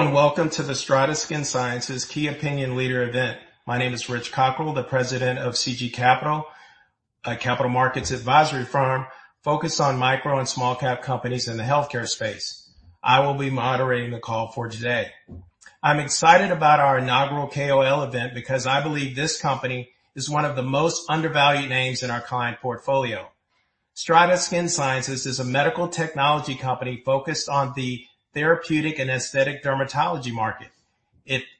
And welcome to the STRATA Skin Sciences Key Opinion Leader event. My name is Rich Cockrell, the president of CG Capital, a capital markets advisory firm focused on micro and small cap companies in the healthcare space. I will be moderating the call for today. I'm excited about our inaugural KOL event because I believe this company is one of the most undervalued names in our client portfolio. STRATA Skin Sciences is a medical technology company focused on the therapeutic and aesthetic dermatology market.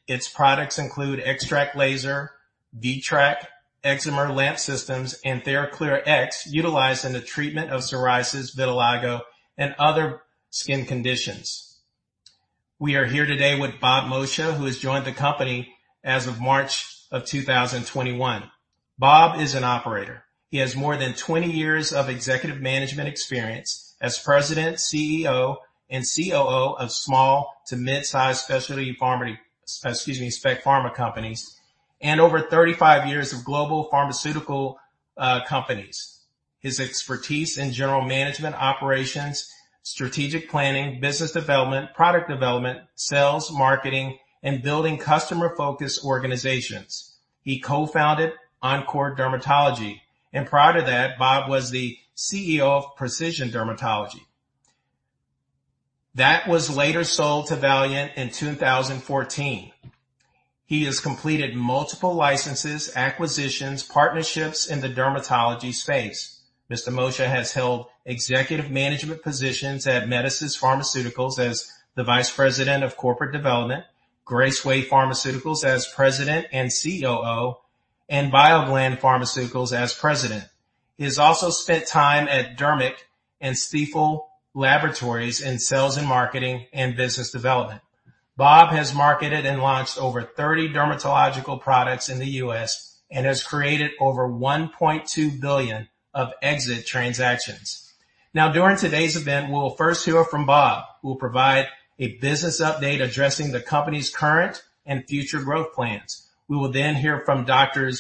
Its products include XTRAC laser, VTRAC excimer lamp systems, and TheraClear X, utilized in the treatment of psoriasis, vitiligo, and other skin conditions. We are here today with Bob Moccia, who has joined the company as of March 2021. Bob is an operator. He has more than 20 years of executive management experience as President, CEO, and COO of small to mid-size specialty pharmacy, excuse me, spec pharma companies, and over 35 years of global pharmaceutical companies. His expertise in general management, operations, strategic planning, business development, product development, sales, marketing, and building customer-focused organizations. He co-founded Encore Dermatology, and prior to that, Bob was the CEO of PreCision Dermatology. That was later sold to Valeant in 2014. He has completed multiple licenses, acquisitions, partnerships in the dermatology space. Mr. Moccia has held executive management positions at Medicis Pharmaceuticals as the Vice President of Corporate Development, Graceway Pharmaceuticals as President and COO, and Bioglan Pharmaceuticals as President. He has also spent time at Dermik and Stiefel Laboratories in sales and marketing and business development. Bob has marketed and launched over 30 dermatological products in the U.S. and has created over $1.2 billion of exit transactions. Now, during today's event, we'll first hear from Bob, who will provide a business update addressing the company's current and future growth plans. We will then hear from Dr.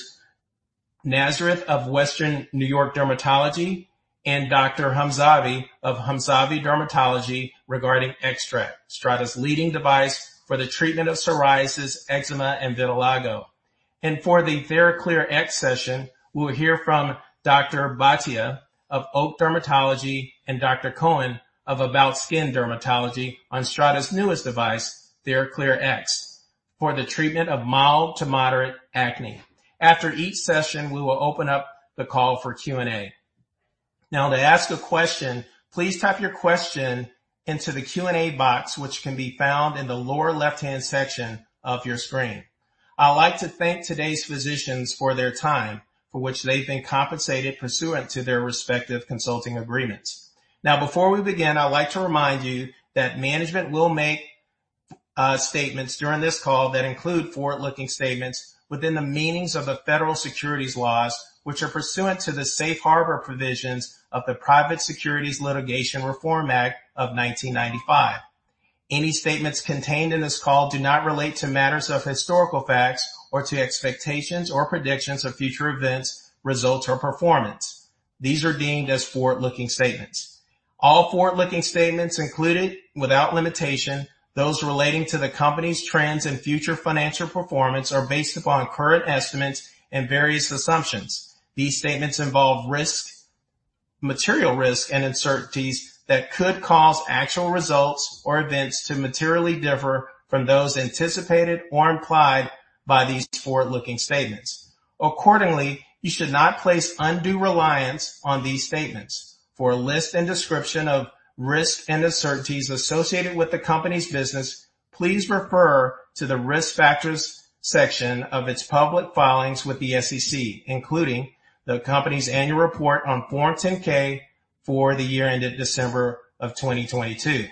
Nazareth of Western New York Dermatology and Dr. Hamzavi of Hamzavi Dermatology regarding XTRAC, STRATA's leading device for the treatment of psoriasis, eczema, and vitiligo. For the TheraClear X session, we'll hear from Dr. Bhatia of Oak Dermatology and Dr. Cohen of AboutSkin Dermatology on STRATA's newest device, TheraClear X, for the treatment of mild to moderate acne. After each session, we will open up the call for Q&A. Now, to ask a question, please type your question into the Q&A box, which can be found in the lower left-hand section of your screen. I'd like to thank today's physicians for their time, for which they've been compensated pursuant to their respective consulting agreements. Now, before we begin, I'd like to remind you that management will make statements during this call that include forward-looking statements within the meanings of the federal securities laws, which are pursuant to the safe harbor provisions of the Private Securities Litigation Reform Act of 1995. Any statements contained in this call do not relate to matters of historical facts or to expectations or predictions of future events, results, or performance. These are deemed as forward-looking statements. All forward-looking statements included, without limitation, those relating to the company's trends and future financial performance are based upon current estimates and various assumptions. These statements involve risk, material risk and uncertainties that could cause actual results or events to materially differ from those anticipated or implied by these forward-looking statements. Accordingly, you should not place undue reliance on these statements. For a list and description of risks and uncertainties associated with the company's business, please refer to the Risk Factors section of its public filings with the SEC, including the company's Annual Report on Form 10-K for the year ended December 2022.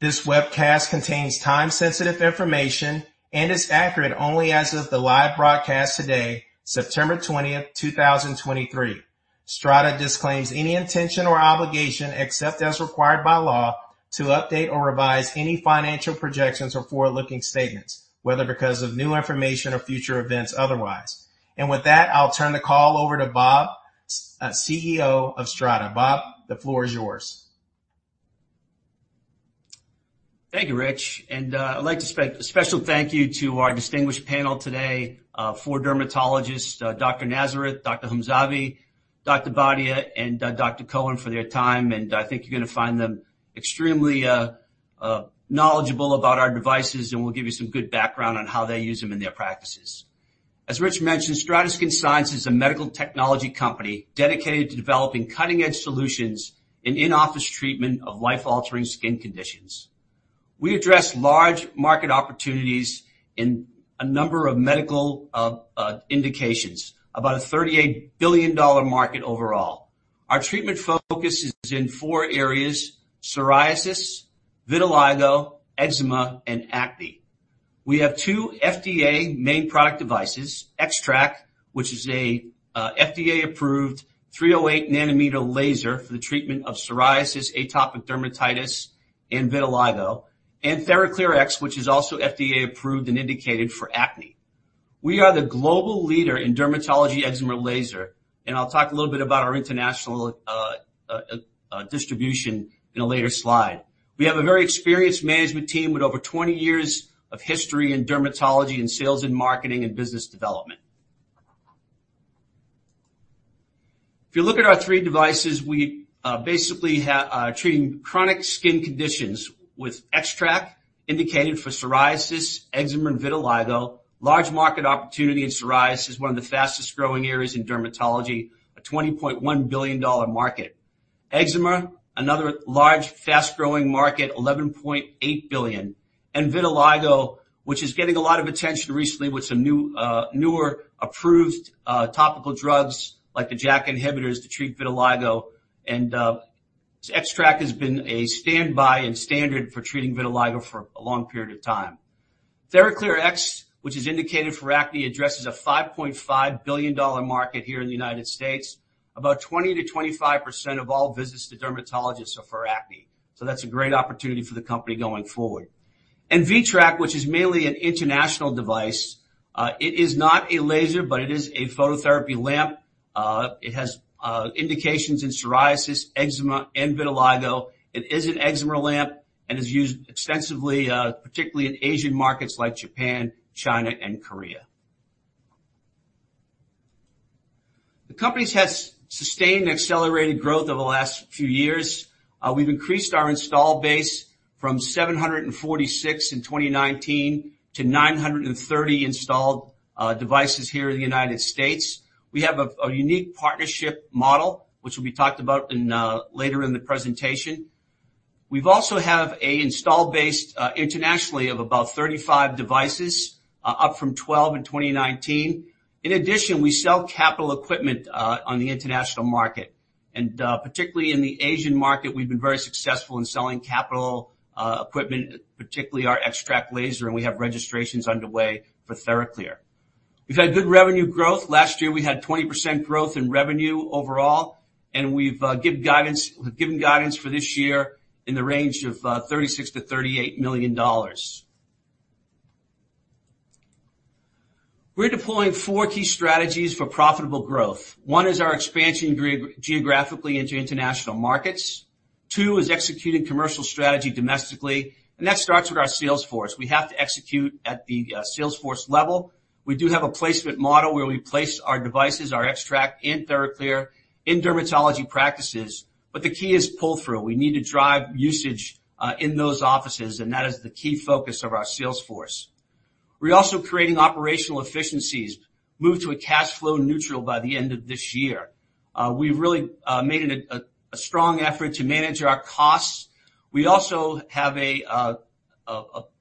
This webcast contains time-sensitive information and is accurate only as of the live broadcast today, September 20, 2023. STRATA disclaims any intention or obligation, except as required by law, to update or revise any financial projections or forward-looking statements, whether because of new information or future events otherwise. With that, I'll turn the call over to Bob, CEO of STRATA. Bob, the floor is yours. Thank you, Rich. I'd like to extend a special thank you to our distinguished panel today, four dermatologists, Dr. Nazareth, Dr. Hamzavi, Dr. Bhatia, and Dr. Cohen, for their time, and I think you're gonna find them extremely knowledgeable about our devices, and we'll give you some good background on how they use them in their practices. As Rich mentioned, STRATA Skin Sciences is a medical technology company dedicated to developing cutting-edge solutions in in-office treatment of life-altering skin conditions. We address large market opportunities in a number of medical indications, about a $38 billion market overall. Our treatment focus is in four areas: psoriasis, vitiligo, eczema, and acne. We have two FDA main product devices, XTRAC, which is a FDA-approved 308 nm laser for the treatment of psoriasis, atopic dermatitis, and vitiligo, and TheraClear X, which is also FDA approved and indicated for acne. We are the global leader in dermatology eczema laser, and I'll talk a little bit about our international distribution in a later slide. We have a very experienced management team with over 20 years of history in dermatology and sales and marketing, and business development. If you look at our three devices, we basically have treating chronic skin conditions with XTRAC, indicated for psoriasis, eczema, and vitiligo. Large market opportunity in psoriasis, one of the fastest-growing areas in dermatology, a $20.1 billion market. Eczema, another large, fast-growing market, $11.8 billion. Vitiligo, which is getting a lot of attention recently with some new, newer approved topical drugs like the JAK inhibitors to treat vitiligo, and XTRAC has been a standby and standard for treating vitiligo for a long period of time. TheraClear X, which is indicated for acne, addresses a $5.5 billion market here in the United States. About 20%-25% of all visits to dermatologists are for acne. That's a great opportunity for the company going forward. VTRAC, which is mainly an international device, is not a laser, but it is a phototherapy lamp. It has indications in psoriasis, eczema, and vitiligo. It is an eczema lamp and is used extensively, particularly in Asian markets like Japan, China, and Korea. The company has sustained accelerated growth over the last few years. We've increased our installed base from 746 in 2019 to 930 installed devices here in the United States. We have a unique partnership model, which will be talked about later in the presentation. We also have an installed base internationally of about 35 devices, up from 12 in 2019. In addition, we sell capital equipment on the international market, and particularly in the Asian market, we've been very successful in selling capital equipment, particularly our XTRAC laser, and we have registrations underway for TheraClear. We've had good revenue growth. Last year, we had 20% growth in revenue overall, and we've given guidance for this year in the range of $36 million-$38 million. We're deploying four key strategies for profitable growth. One is our expansion geographically into international markets. Two is executing commercial strategy domestically, and that starts with our sales force. We have to execute at the sales force level. We do have a placement model where we place our devices, our XTRAC and TheraClear in dermatology practices, but the key is pull-through. We need to drive usage in those offices, and that is the key focus of our sales force. We're also creating operational efficiencies, move to a cash flow neutral by the end of this year. We've really made a strong effort to manage our costs. We also have a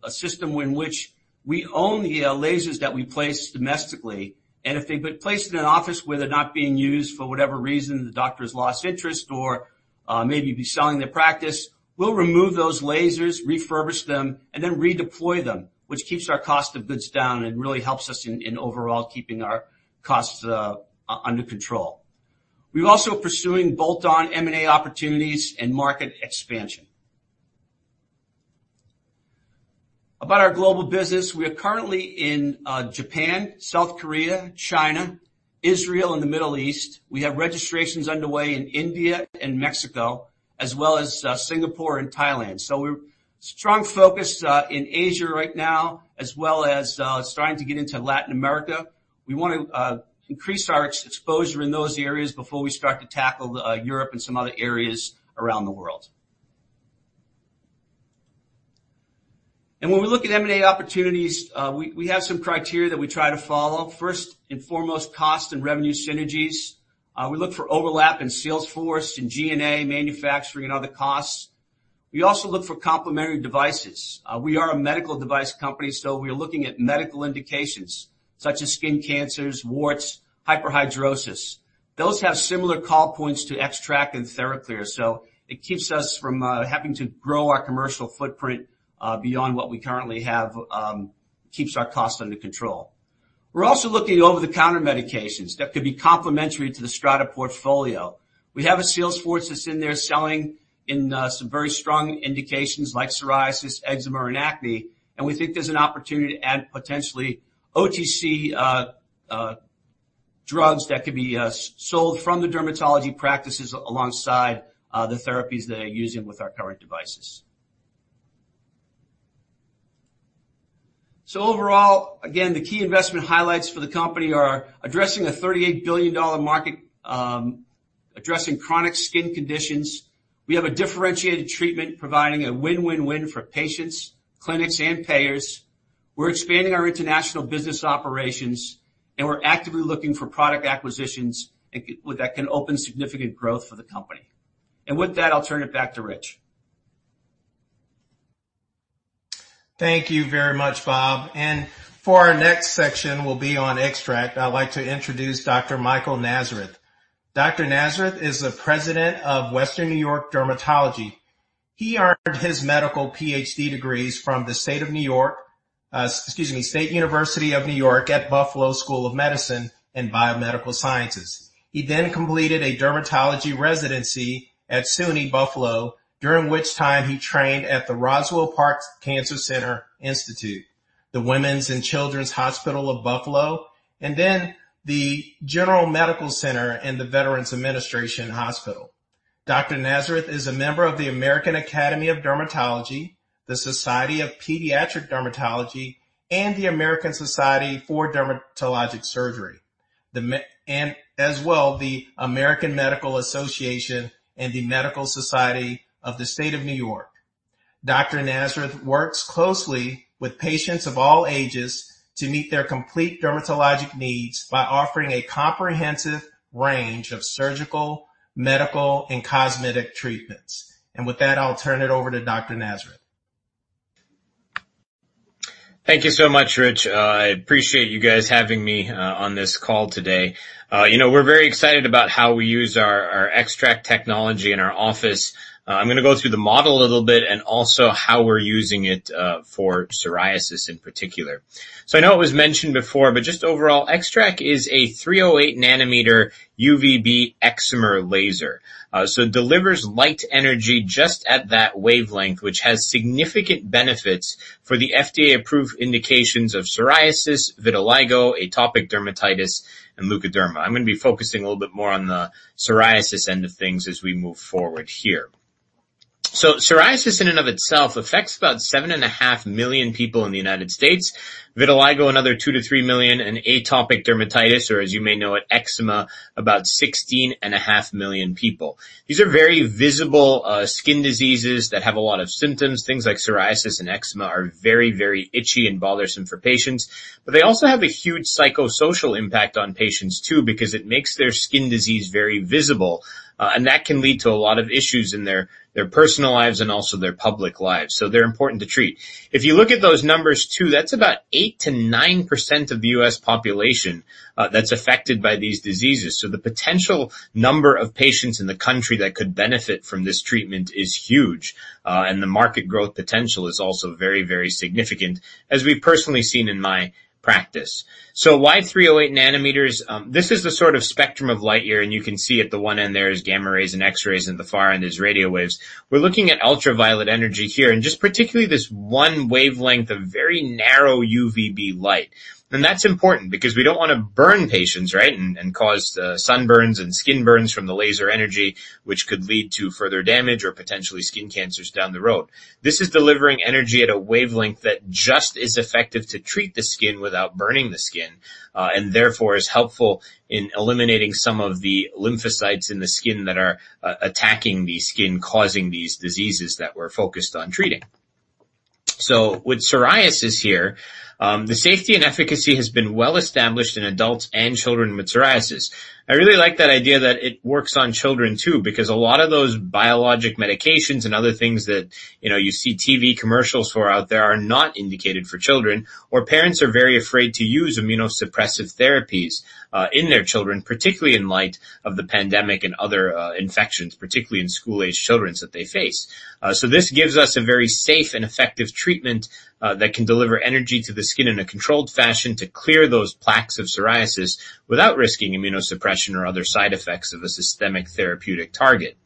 system in which we own the lasers that we place domestically, and if they've been placed in an office where they're not being used for whatever reason, the doctor's lost interest or maybe be selling their practice, we'll remove those lasers, refurbish them, and then redeploy them, which keeps our cost of goods down and really helps us in overall keeping our costs under control. We're also pursuing bolt-on M&A opportunities and market expansion. About our global business. We are currently in Japan, South Korea, China, Israel, and the Middle East. We have registrations underway in India and Mexico, as well as Singapore and Thailand. So we're strong focused in Asia right now, as well as starting to get into Latin America. We want to increase our exposure in those areas before we start to tackle Europe and some other areas around the world. When we look at M&A opportunities, we have some criteria that we try to follow. First and foremost, cost and revenue synergies. We look for overlap in sales force, in G&A, manufacturing, and other costs. We also look for complementary devices. We are a medical device company, so we are looking at medical indications such as skin cancers, warts, hyperhidrosis. Those have similar call points to XTRAC and TheraClear, so it keeps us from having to grow our commercial footprint beyond what we currently have, keeps our costs under control. We're also looking at over-the-counter medications that could be complementary to the STRATA portfolio. We have a sales force that's in there selling in some very strong indications like psoriasis, eczema, and acne, and we think there's an opportunity to add potentially OTC drugs that could be sold from the dermatology practices alongside the therapies that they're using with our current devices. So overall, again, the key investment highlights for the company are addressing a $38 billion market, addressing chronic skin conditions. We have a differentiated treatment, providing a win-win-win for patients, clinics, and payers. We're expanding our international business operations, and we're actively looking for product acquisitions that can open significant growth for the company. And with that, I'll turn it back to Rich. Thank you very much, Bob. For our next section, we'll be on XTRAC. I'd like to introduce Dr. Michael Nazareth. Dr. Nazareth is the President of Western New York Dermatology. He earned his medical and PhD degrees from the State University of New York at Buffalo School of Medicine in Biomedical Sciences. He then completed a dermatology residency at SUNY Buffalo, during which time he trained at the Roswell Park Comprehensive Cancer Center, the Women & Children's Hospital of Buffalo, the Buffalo General Medical Center, and the Veterans Administration Hospital. Dr. Nazareth is a member of the American Academy of Dermatology, the Society for Pediatric Dermatology, and the American Society for Dermatologic Surgery, as well as the American Medical Association and the Medical Society of the State of New York. Dr. Nazareth works closely with patients of all ages to meet their complete dermatologic needs by offering a comprehensive range of surgical, medical, and cosmetic treatments. With that, I'll turn it over to Dr. Nazareth. Thank you so much, Rich. I appreciate you guys having me on this call today. You know, we're very excited about how we use our XTRAC technology in our office. I'm gonna go through the model a little bit and also how we're using it for psoriasis in particular. So I know it was mentioned before, but just overall, XTRAC is a 308 nm UVB excimer laser. So it delivers light energy just at that wavelength, which has significant benefits for the FDA-approved indications of psoriasis, vitiligo, atopic dermatitis, and leukoderma. I'm gonna be focusing a little bit more on the psoriasis end of things as we move forward here. So psoriasis, in and of itself, affects about 7.5 million people in the United States. Vitiligo, another 2 million-3 million, and atopic dermatitis, or as you may know it, eczema, about 16.5 million people. These are very visible, skin diseases that have a lot of symptoms. Things like psoriasis and eczema are very, very itchy and bothersome for patients, but they also have a huge psychosocial impact on patients, too, because it makes their skin disease very visible. And that can lead to a lot of issues in their personal lives and also their public lives, so they're important to treat. If you look at those numbers, too, that's about 8%-9% of the U.S. population, that's affected by these diseases. So the potential number of patients in the country that could benefit from this treatment is huge, and the market growth potential is also very, very significant, as we've personally seen in my practice. So why 308 nms? This is the sort of spectrum of light here, and you can see at the one end, there's gamma rays and X-rays, and the far end is radio waves. We're looking at ultraviolet energy here, and just particularly this one wavelength of very narrow UVB light. And that's important because we don't want to burn patients, right? And, and cause, sunburns and skin burns from the laser energy, which could lead to further damage or potentially skin cancers down the road. This is delivering energy at a wavelength that just is effective to treat the skin without burning the skin, and therefore is helpful in eliminating some of the lymphocytes in the skin that are attacking the skin, causing these diseases that we're focused on treating. With psoriasis here, the safety and efficacy has been well established in adults and children with psoriasis. I really like that idea that it works on children, too, because a lot of those biologic medications and other things that, you know, you see TV commercials for out there are not indicated for children, or parents are very afraid to use immunosuppressive therapies in their children, particularly in light of the pandemic and other infections, particularly in school-aged children that they face. So this gives us a very safe and effective treatment, that can deliver energy to the skin in a controlled fashion to clear those plaques of psoriasis without risking immunosuppression or other side effects of a systemic therapeutic target.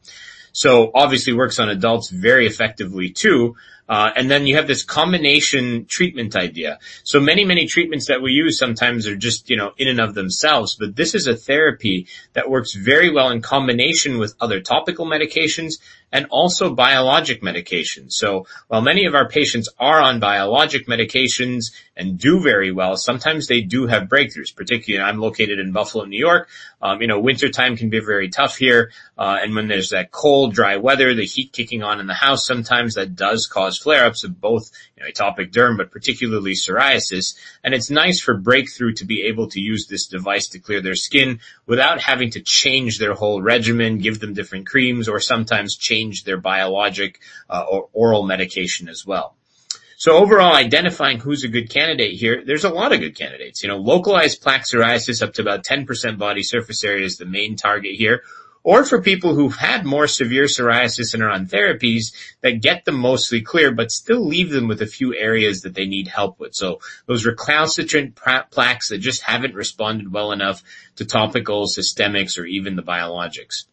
So obviously works on adults very effectively, too. And then you have this combination treatment idea. So many, many treatments that we use sometimes are just, you know, in and of themselves, but this is a therapy that works very well in combination with other topical medications and also biologic medications. So while many of our patients are on biologic medications and do very well, sometimes they do have breakthroughs, particularly, and I'm located in Buffalo, New York. You know, wintertime can be very tough here, and when there's that cold, dry weather, the heat kicking on in the house, sometimes that does cause flare-ups of both, you know, atopic derm, but particularly psoriasis. And it's nice for breakthrough to be able to use this device to clear their skin without having to change their whole regimen, give them different creams, or sometimes change their biologic, or oral medication as well. So overall, identifying who's a good candidate here, there's a lot of good candidates. You know, localized plaque psoriasis up to about 10% body surface area is the main target here. Or for people who've had more severe psoriasis and are on therapies that get them mostly clear, but still leave them with a few areas that they need help with. Those recalcitrant plaques that just haven't responded well enough to topical, systemics or even the biologics.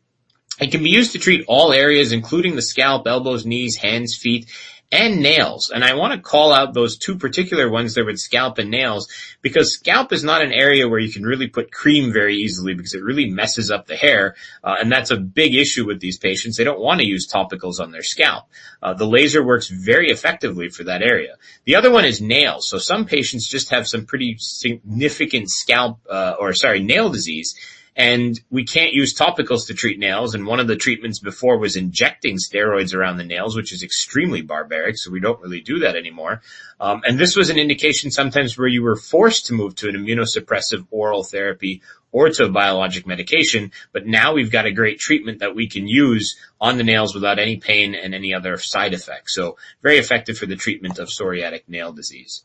It can be used to treat all areas, including the scalp, elbows, knees, hands, feet, and nails. I wanna call out those two particular ones there with scalp and nails, because scalp is not an area where you can really put cream very easily because it really messes up the hair, and that's a big issue with these patients. They don't want to use topicals on their scalp. The laser works very effectively for that area. The other one is nails. Some patients just have some pretty significant scalp, or sorry, nail disease, and we can't use topicals to treat nails, and one of the treatments before was injecting steroids around the nails, which is extremely barbaric, so we don't really do that anymore. And this was an indication sometimes where you were forced to move to an immunosuppressive oral therapy or to a biologic medication, but now we've got a great treatment that we can use on the nails without any pain and any other side effects. So very effective for the treatment of psoriatic nail disease.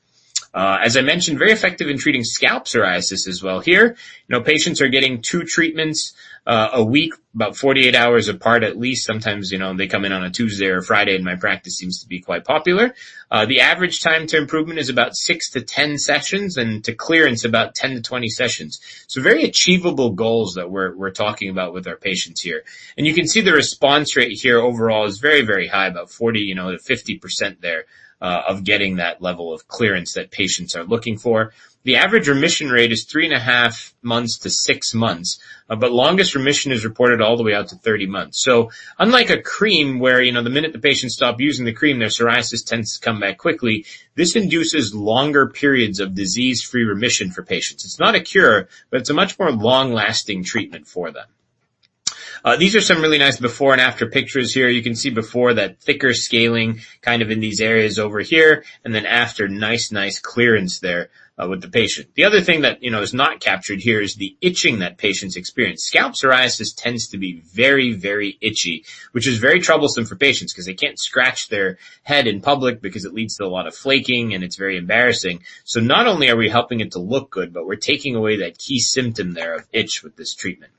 As I mentioned, very effective in treating scalp psoriasis as well. Here, you know, patients are getting two treatments a week, about 48 hours apart, at least. Sometimes, you know, they come in on a Tuesday or a Friday, in my practice, seems to be quite popular. The average time to improvement is about six-10 sessions, and to clearance, about 10-20 sessions. So very achievable goals that we're, we're talking about with our patients here. You can see the response rate here overall is very, very high, about 40%, you know, to 50% there, of getting that level of clearance that patients are looking for. The average remission rate is 3.5-six months, but longest remission is reported all the way out to 30 months. So unlike a cream where, you know, the minute the patient stop using the cream, their psoriasis tends to come back quickly, this induces longer periods of disease-free remission for patients. It's not a cure, but it's a much more long-lasting treatment for them. These are some really nice before and after pictures here. You can see before that thicker scaling kind of in these areas over here, and then after, nice, nice clearance there, with the patient. The other thing that, you know, is not captured here is the itching that patients experience. Scalp psoriasis tends to be very, very itchy, which is very troublesome for patients 'cause they can't scratch their head in public because it leads to a lot of flaking, and it's very embarrassing. So not only are we helping it to look good, but we're taking away that key symptom there of itch with this treatment.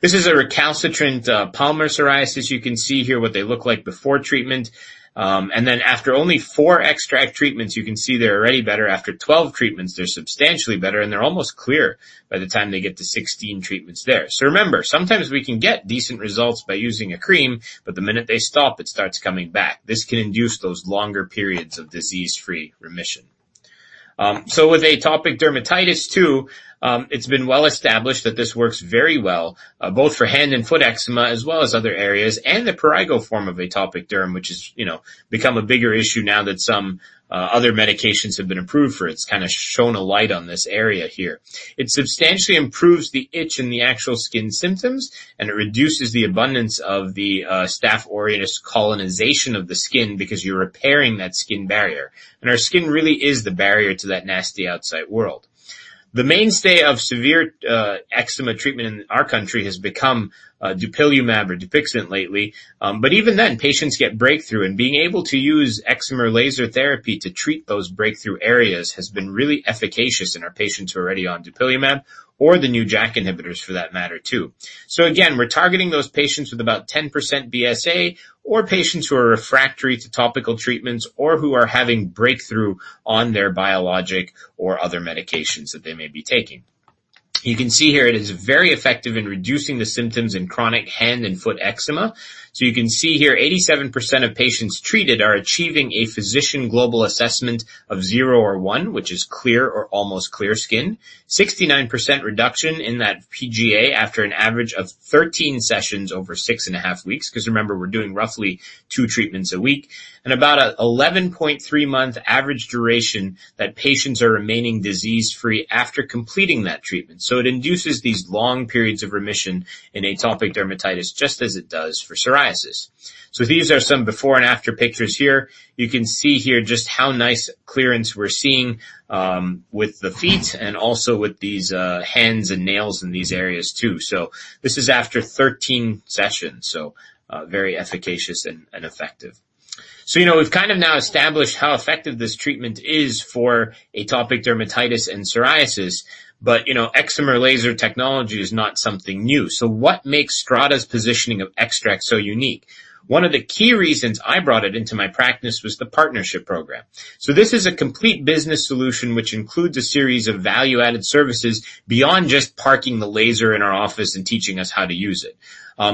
This is a recalcitrant palmar psoriasis. You can see here what they look like before treatment. And then after only four XTRAC treatments, you can see they're already better. After 12 treatments, they're substantially better, and they're almost clear by the time they get to 16 treatments there. So remember, sometimes we can get decent results by using a cream, but the minute they stop, it starts coming back. This can induce those longer periods of disease-free remission. With atopic dermatitis too, it's been well established that this works very well, both for hand and foot eczema, as well as other areas, and the prurigo form of atopic derm, which is, you know, become a bigger issue now that some other medications have been approved for it. It's kinda shone a light on this area here. It substantially improves the itch and the actual skin symptoms, and it reduces the abundance of the Staphylococcus aureus colonization of the skin because you're repairing that skin barrier, and our skin really is the barrier to that nasty outside world. The mainstay of severe eczema treatment in our country has become dupilumab or Dupixent lately. But even then, patients get breakthrough, and being able to use eczema or laser therapy to treat those breakthrough areas has been really efficacious in our patients who are already on dupilumab or the new JAK inhibitors for that matter, too. So again, we're targeting those patients with about 10% BSA or patients who are refractory to topical treatments or who are having breakthrough on their biologic or other medications that they may be taking. You can see here it is very effective in reducing the symptoms in chronic hand and foot eczema. So you can see here, 87% of patients treated are achieving a physician global assessment of zero or one, which is clear or almost clear skin. 69% reduction in that PGA after an average of 13 sessions over six and a half weeks, 'cause remember, we're doing roughly two treatments a week. About an 11.3-month average duration that patients are remaining disease-free after completing that treatment. It induces these long periods of remission in atopic dermatitis, just as it does for psoriasis. These are some before and after pictures here. You can see here just how nice clearance we're seeing, you know, with the feet and also with these hands and nails in these areas too. This is after 13 sessions, so very efficacious and effective. You know, we've kind of now established how effective this treatment is for atopic dermatitis and psoriasis, but, you know, excimer laser technology is not something new. What makes STRATA's positioning of XTRAC so unique? One of the key reasons I brought it into my practice was the partnership program. So this is a complete business solution, which includes a series of value-added services beyond just parking the laser in our office and teaching us how to use it.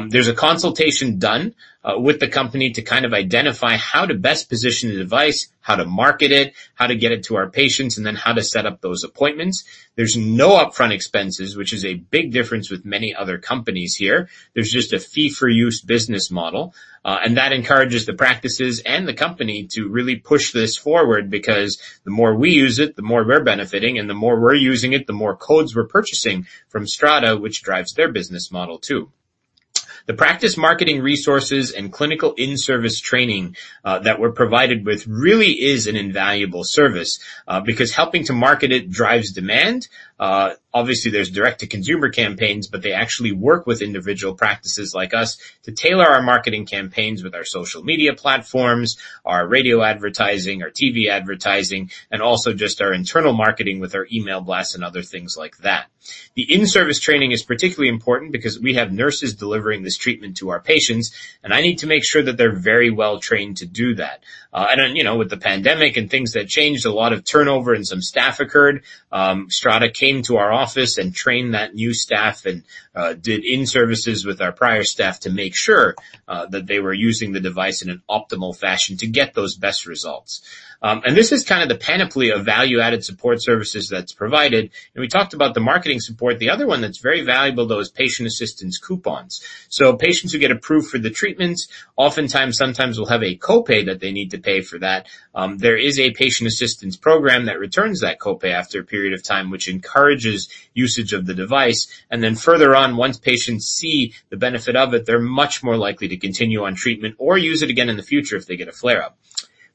There's a consultation done, with the company to kind of identify how to best position the device, how to market it, how to get it to our patients, and then how to set up those appointments. There's no upfront expenses, which is a big difference with many other companies here. There's just a fee-for-use business model, and that encourages the practices and the company to really push this forward, because the more we use it, the more we're benefiting, and the more we're using it, the more codes we're purchasing from STRATA, which drives their business model, too. The practice marketing resources and clinical in-service training that we're provided with really is an invaluable service, because helping to market it drives demand. Obviously, there's direct-to-consumer campaigns, but they actually work with individual practices like us to tailor our marketing campaigns with our social media platforms, our radio advertising, our TV advertising, and also just our internal marketing with our email blasts and other things like that. The in-service training is particularly important because we have nurses delivering this treatment to our patients, and I need to make sure that they're very well trained to do that. And then, you know, with the pandemic and things that changed, a lot of turnover and some staff occurred. STRATA came to our office and trained that new staff and did in-services with our prior staff to make sure that they were using the device in an optimal fashion to get those best results. This is kind of the panoply of value-added support services that's provided, and we talked about the marketing support. The other one that's very valuable, though, is patient assistance coupons. Patients who get approved for the treatments, oftentimes, sometimes will have a copay that they need to pay for that. There is a patient assistance program that returns that copay after a period of time, which encourages usage of the device, and then further on, once patients see the benefit of it, they're much more likely to continue on treatment or use it again in the future if they get a flare-up.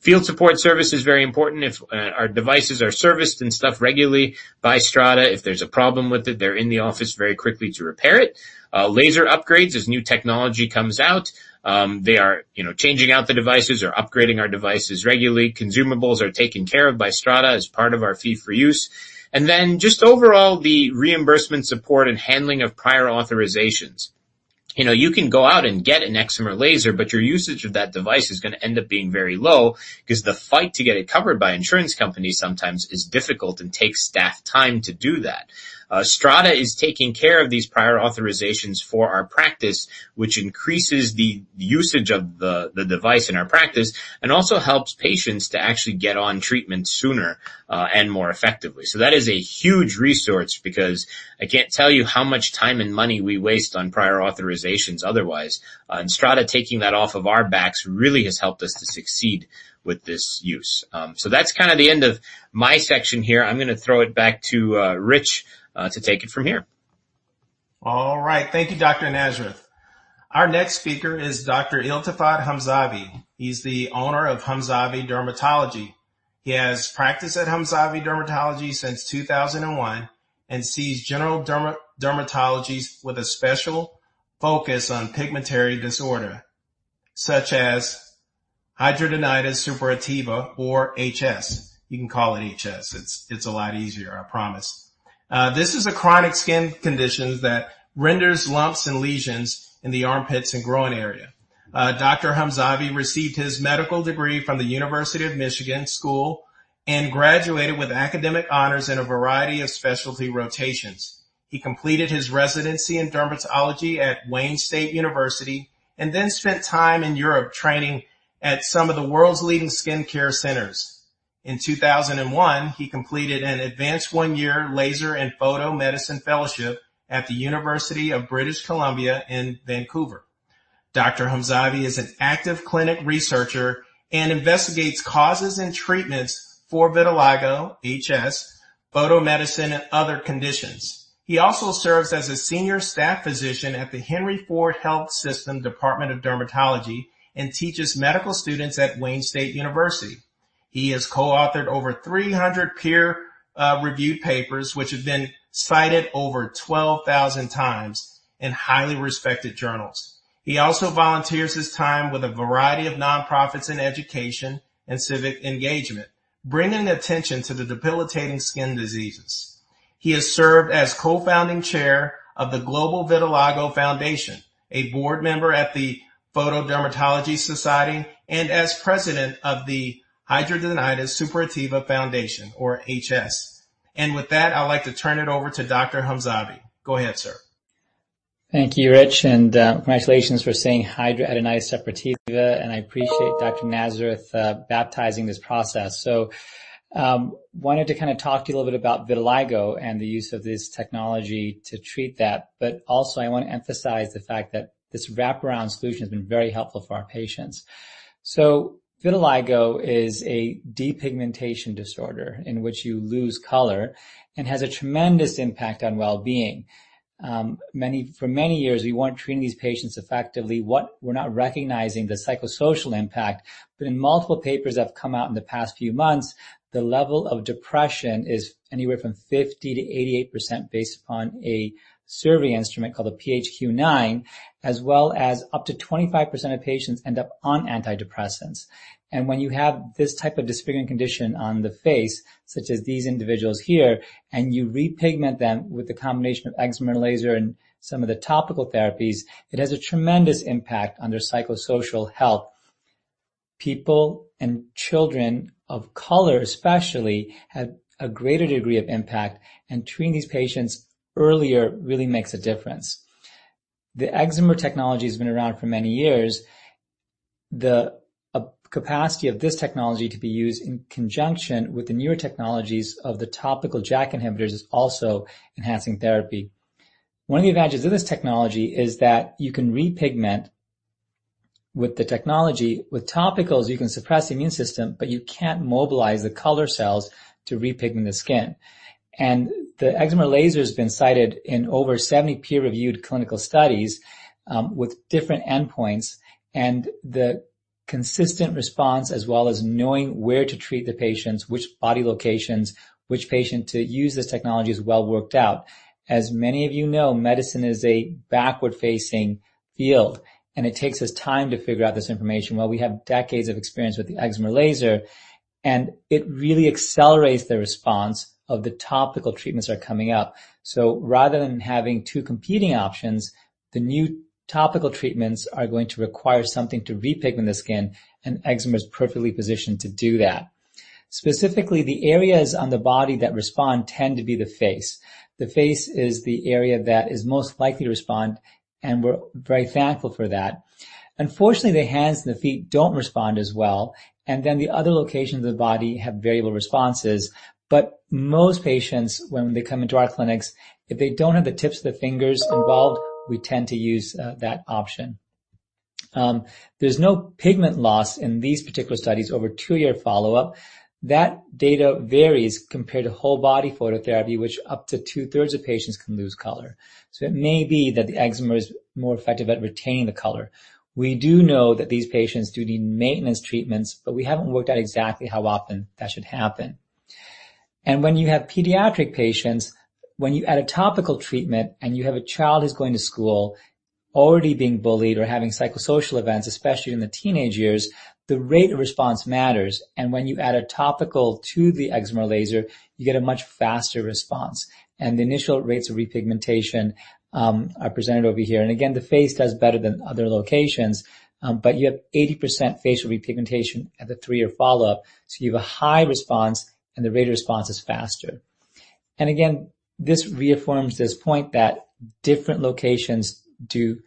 Field support service is very important. If our devices are serviced and staffed regularly by STRATA, if there's a problem with it, they're in the office very quickly to repair it. Laser upgrades, as new technology comes out, they are, you know, changing out the devices or upgrading our devices regularly. Consumables are taken care of by STRATA as part of our fee-for-use. And then just overall, the reimbursement support and handling of prior authorizations. You know, you can go out and get an excimer laser, but your usage of that device is going to end up being very low because the fight to get it covered by insurance companies sometimes is difficult and takes staff time to do that. STRATA is taking care of these prior authorizations for our practice, which increases the usage of the device in our practice and also helps patients to actually get on treatment sooner, and more effectively. So that is a huge resource because I can't tell you how much time and money we waste on prior authorizations otherwise. And STRATA taking that off of our backs really has helped us to succeed with this use. So that's kind of the end of my section here. I'm gonna throw it back to Rich, to take it from here. All right. Thank you, Dr. Nazareth. Our next speaker is Dr. Iltefat Hamzavi. He's the owner of Hamzavi Dermatology. He has practiced at Hamzavi Dermatology since 2001 and sees general dermatology with a special focus on pigmentary disorder, such as hidradenitis suppurativa or HS. You can call it HS. It's a lot easier, I promise. This is a chronic skin condition that renders lumps and lesions in the armpits and groin area. Dr. Hamzavi received his medical degree from the University of Michigan School and graduated with academic honors in a variety of specialty rotations. He completed his residency in dermatology at Wayne State University and then spent time in Europe training at some of the world's leading skincare centers. In 2001, he completed an advanced one-year laser and photomedicine fellowship at the University of British Columbia in Vancouver. Dr. Hamzavi is an active clinic researcher and investigates causes and treatments for vitiligo, HS, photomedicine, and other conditions. He also serves as a senior staff physician at the Henry Ford Health System Department of Dermatology, and teaches medical students at Wayne State University. He has co-authored over 300 peer-reviewed papers, which have been cited over 12,000 times in highly respected journals. He also volunteers his time with a variety of nonprofits in education and civic engagement, bringing attention to the debilitating skin diseases. He has served as co-founding chair of the Global Vitiligo Foundation, a board member at the Photodermatology Society, and as President of the Hidradenitis Suppurativa Foundation, or HS. And with that, I'd like to turn it over to Dr. Hamzavi. Go ahead, sir. Thank you, Rich, and congratulations for saying hidradenitis suppurativa, and I appreciate Dr. Nazareth baptizing this process. So, wanted to kind of talk to you a little bit about vitiligo and the use of this technology to treat that. But also, I want to emphasize the fact that this wraparound solution has been very helpful for our patients. So vitiligo is a depigmentation disorder in which you lose color and has a tremendous impact on well-being. For many years, we weren't treating these patients effectively. We're not recognizing the psychosocial impact, but in multiple papers that have come out in the past few months, the level of depression is anywhere from 50%-88%, based upon a survey instrument called the PHQ-9, as well as up to 25% of patients end up on antidepressants. When you have this type of disfiguring condition on the face, such as these individuals here, and you repigment them with a combination of excimer laser and some of the topical therapies, it has a tremendous impact on their psychosocial health. People and children of color, especially, have a greater degree of impact, and treating these patients earlier really makes a difference. The excimer technology has been around for many years. The capacity of this technology to be used in conjunction with the newer technologies of the topical JAK inhibitors is also enhancing therapy. One of the advantages of this technology is that you can repigment with the technology. With topicals, you can suppress the immune system, but you can't mobilize the color cells to repigment the skin. The excimer laser has been cited in over 70 peer-reviewed clinical studies with different endpoints and the consistent response, as well as knowing where to treat the patients, which body locations, which patient to use this technology, is well worked out. As many of you know, medicine is a backward-facing field, and it takes us time to figure out this information. Well, we have decades of experience with the excimer laser, and it really accelerates the response of the topical treatments that are coming out. So rather than having two competing options, the new topical treatments are going to require something to repigment the skin, and excimer is perfectly positioned to do that. Specifically, the areas on the body that respond tend to be the face. The face is the area that is most likely to respond, and we're very thankful for that. Unfortunately, the hands and the feet don't respond as well, and then the other locations of the body have variable responses. But most patients, when they come into our clinics, if they don't have the tips of their fingers involved, we tend to use that option. There's no pigment loss in these particular studies over a year-year follow-up. That data varies compared to whole-body phototherapy, which up to two thirds of patients can lose color. So it may be that the excimer is more effective at retaining the color. We do know that these patients do need maintenance treatments, but we haven't worked out exactly how often that should happen. And when you have pediatric patients, when you add a topical treatment and you have a child who's going to school already being bullied or having psychosocial events, especially in the teenage years, the rate of response matters. When you add a topical to the excimer laser, you get a much faster response. The initial rates of repigmentation are presented over here. Again, the face does better than other locations, but you have 80% facial repigmentation at the three-year follow-up. You have a high response, and the rate of response is faster. Again, this reaffirms this point that different locations do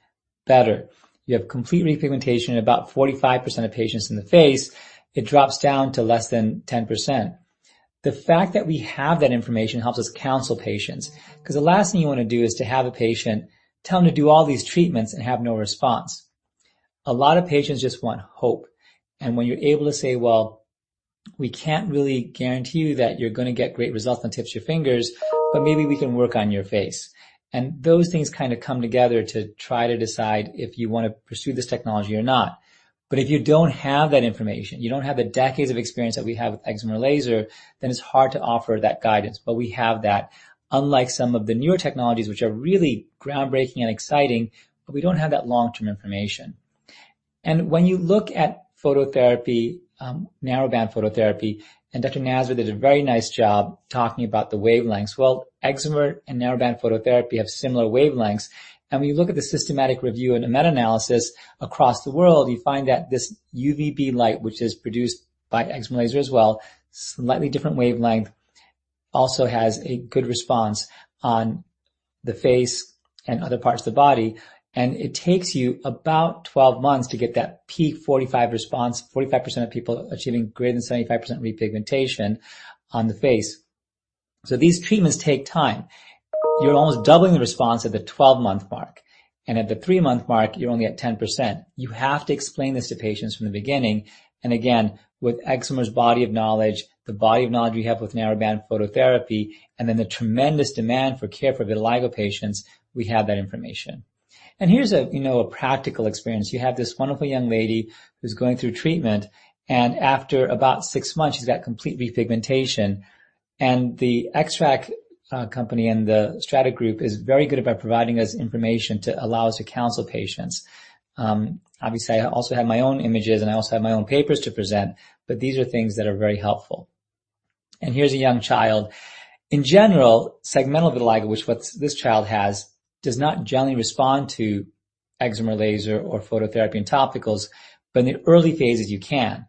better. You have complete repigmentation in about 45% of patients in the face. It drops down to less than 10%. The fact that we have that information helps us counsel patients, 'cause the last thing you wanna do is to have a patient tell them to do all these treatments and have no response. A lot of patients just want hope, and when you're able to say, "Well, we can't really guarantee you that you're gonna get great results on the tips of your fingers, but maybe we can work on your face." And those things kinda come together to try to decide if you wanna pursue this technology or not. But if you don't have that information, you don't have the decades of experience that we have with excimer laser, then it's hard to offer that guidance. But we have that, unlike some of the newer technologies, which are really groundbreaking and exciting, but we don't have that long-term information. And when you look at phototherapy, narrowband phototherapy, and Dr. Nazareth did a very nice job talking about the wavelengths. Well, excimer and narrowband phototherapy have similar wavelengths, and when you look at the systematic review and a meta-analysis across the world, you find that this UVB light, which is produced by excimer laser as well, slightly different wavelength, also has a good response on the face and other parts of the body, and it takes you about 12 months to get that peak 45 response, 45% of people achieving greater than 75% repigmentation on the face. So these treatments take time. You're almost doubling the response at the 12-month mark, and at the three-month mark, you're only at 10%. You have to explain this to patients from the beginning, and again, with excimer's body of knowledge, the body of knowledge we have with narrowband phototherapy, and then the tremendous demand for care for vitiligo patients, we have that information. Here's a, you know, a practical experience. You have this wonderful young lady who's going through treatment, and after about six months, she's got complete repigmentation. And the XTRAC, company and the STRATA group is very good about providing us information to allow us to counsel patients. Obviously, I also have my own images, and I also have my own papers to present, but these are things that are very helpful. And here's a young child. In general, segmental vitiligo, which this child has, does not generally respond to excimer laser or phototherapy and topicals, but in the early phases, you can.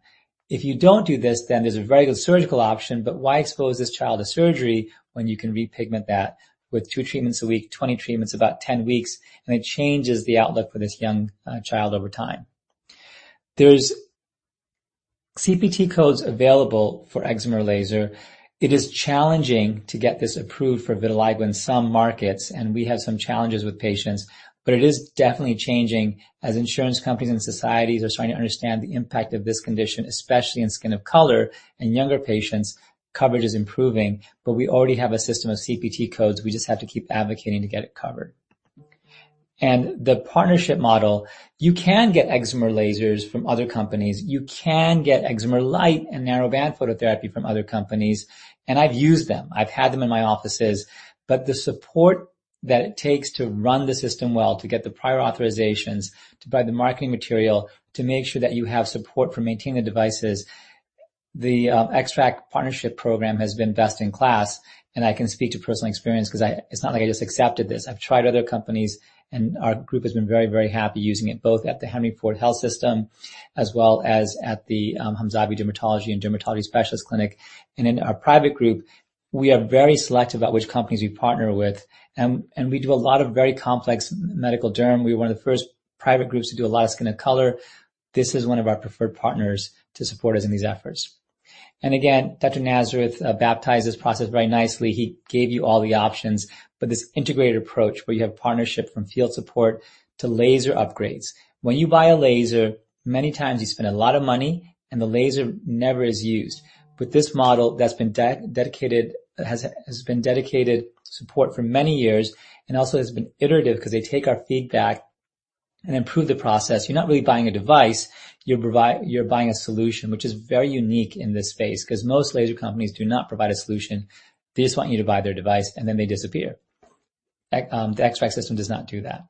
If you don't do this, there's a very good surgical option, but why expose this child to surgery when you can repigment that with two treatments a week, 20 treatments, about 10 weeks, and it changes the outlook for this young child over time? There's CPT codes available for excimer laser. It is challenging to get this approved for vitiligo in some markets, and we have some challenges with patients, but it is definitely changing as insurance companies and societies are trying to understand the impact of this condition, especially in skin of color. In younger patients, coverage is improving, but we already have a system of CPT codes. We just have to keep advocating to get it covered. The partnership model, you can get excimer lasers from other companies. You can get excimer light and narrowband phototherapy from other companies, and I've used them. I've had them in my offices. But the support that it takes to run the system well, to get the prior authorizations, to buy the marketing material, to make sure that you have support for maintaining the devices, the XTRAC partnership program has been best in class, and I can speak to personal experience 'cause I... It's not like I just accepted this. I've tried other companies, and our group has been very, very happy using it, both at the Henry Ford Health System as well as at the Hamzavi Dermatology and Dermatology Specialists clinic. And in our private group, we are very selective about which companies we partner with, and, and we do a lot of very complex medical derm. We're one of the first private groups to do a lot of skin of color. This is one of our preferred partners to support us in these efforts. Again, Dr. Nazareth baptized this process very nicely. He gave you all the options. But this integrated approach, where you have partnership from field support to laser upgrades. When you buy a laser, many times you spend a lot of money, and the laser never is used. But this model that's been dedicated has been dedicated support for many years and also has been iterative because they take our feedback and improve the process. You're not really buying a device, you're buying a solution, which is very unique in this space, 'cause most laser companies do not provide a solution. They just want you to buy their device, and then they disappear. The XTRAC system does not do that.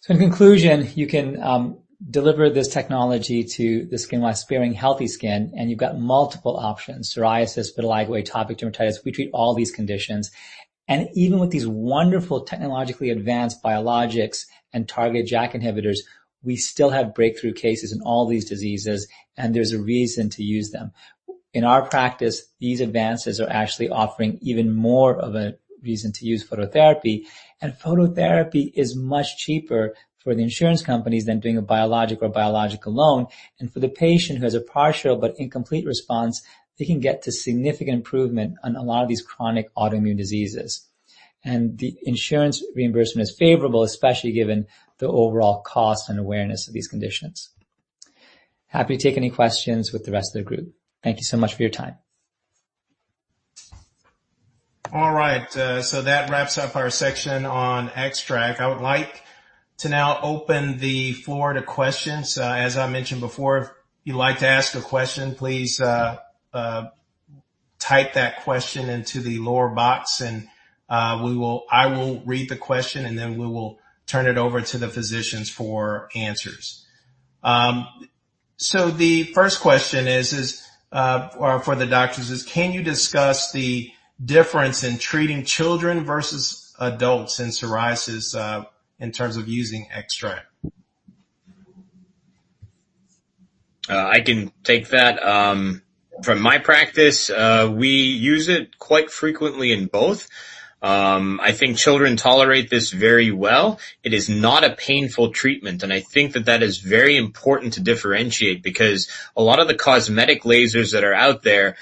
So in conclusion, you can deliver this technology to the skin while sparing healthy skin, and you've got multiple options. Psoriasis, vitiligo, atopic dermatitis, we treat all these conditions. And even with these wonderful technologically advanced biologics and targeted JAK inhibitors, we still have breakthrough cases in all these diseases, and there's a reason to use them. In our practice, these advances are actually offering even more of a reason to use phototherapy, and phototherapy is much cheaper for the insurance companies than doing a biologic or biologic alone. And for the patient who has a partial but incomplete response, they can get to significant improvement on a lot of these chronic autoimmune diseases. And the insurance reimbursement is favorable, especially given the overall cost and awareness of these conditions. Happy to take any questions with the rest of the group. Thank you so much for your time. All right, so that wraps up our section on XTRAC. I would like to now open the floor to questions. As I mentioned before, if you'd like to ask a question, please, type that question into the lower box, and we will—I will read the question, and then we will turn it over to the physicians for answers. So the first question is or for the doctors is: Can you discuss the difference in treating children versus adults in psoriasis, in terms of using XTRAC? I can take that. From my practice, we use it quite frequently in both. I think children tolerate this very well. It is not a painful treatment, and I think that that is very important to differentiate because a lot of the cosmetic lasers that are out there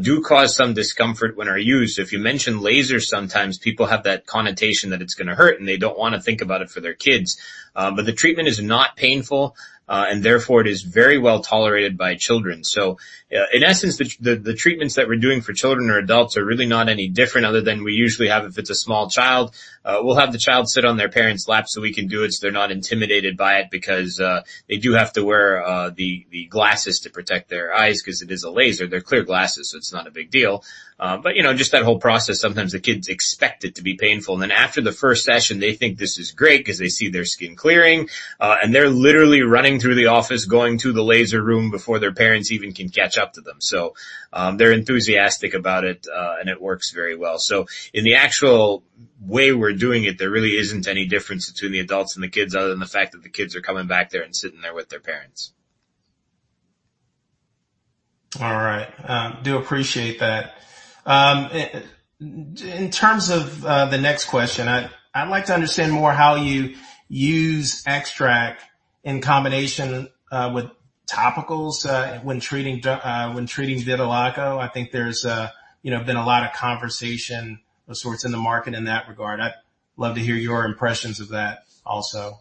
do cause some discomfort when are used. If you mention lasers, sometimes people have that connotation that it's gonna hurt, and they don't want to think about it for their kids. But the treatment is not painful, and therefore it is very well tolerated by children. So, in essence, the treatments that we're doing for children or adults are really not any different other than we usually have if it's a small child, we'll have the child sit on their parent's lap, so we can do it, so they're not intimidated by it because they do have to wear the glasses to protect their eyes because it is a laser. They're clear glasses, so it's not a big deal. But, you know, just that whole process, sometimes the kids expect it to be painful. Then after the first session, they think this is great because they see their skin clearing, and they're literally running through the office, going to the laser room before their parents even can catch up to them. So, they're enthusiastic about it, and it works very well. In the actual way we're doing it, there really isn't any difference between the adults and the kids other than the fact that the kids are coming back there and sitting there with their parents. All right. I do appreciate that. In terms of the next question, I'd like to understand more how you use XTRAC in combination with topicals when treating vitiligo. I think there's you know been a lot of conversation of sorts in the market in that regard. I'd love to hear your impressions of that also.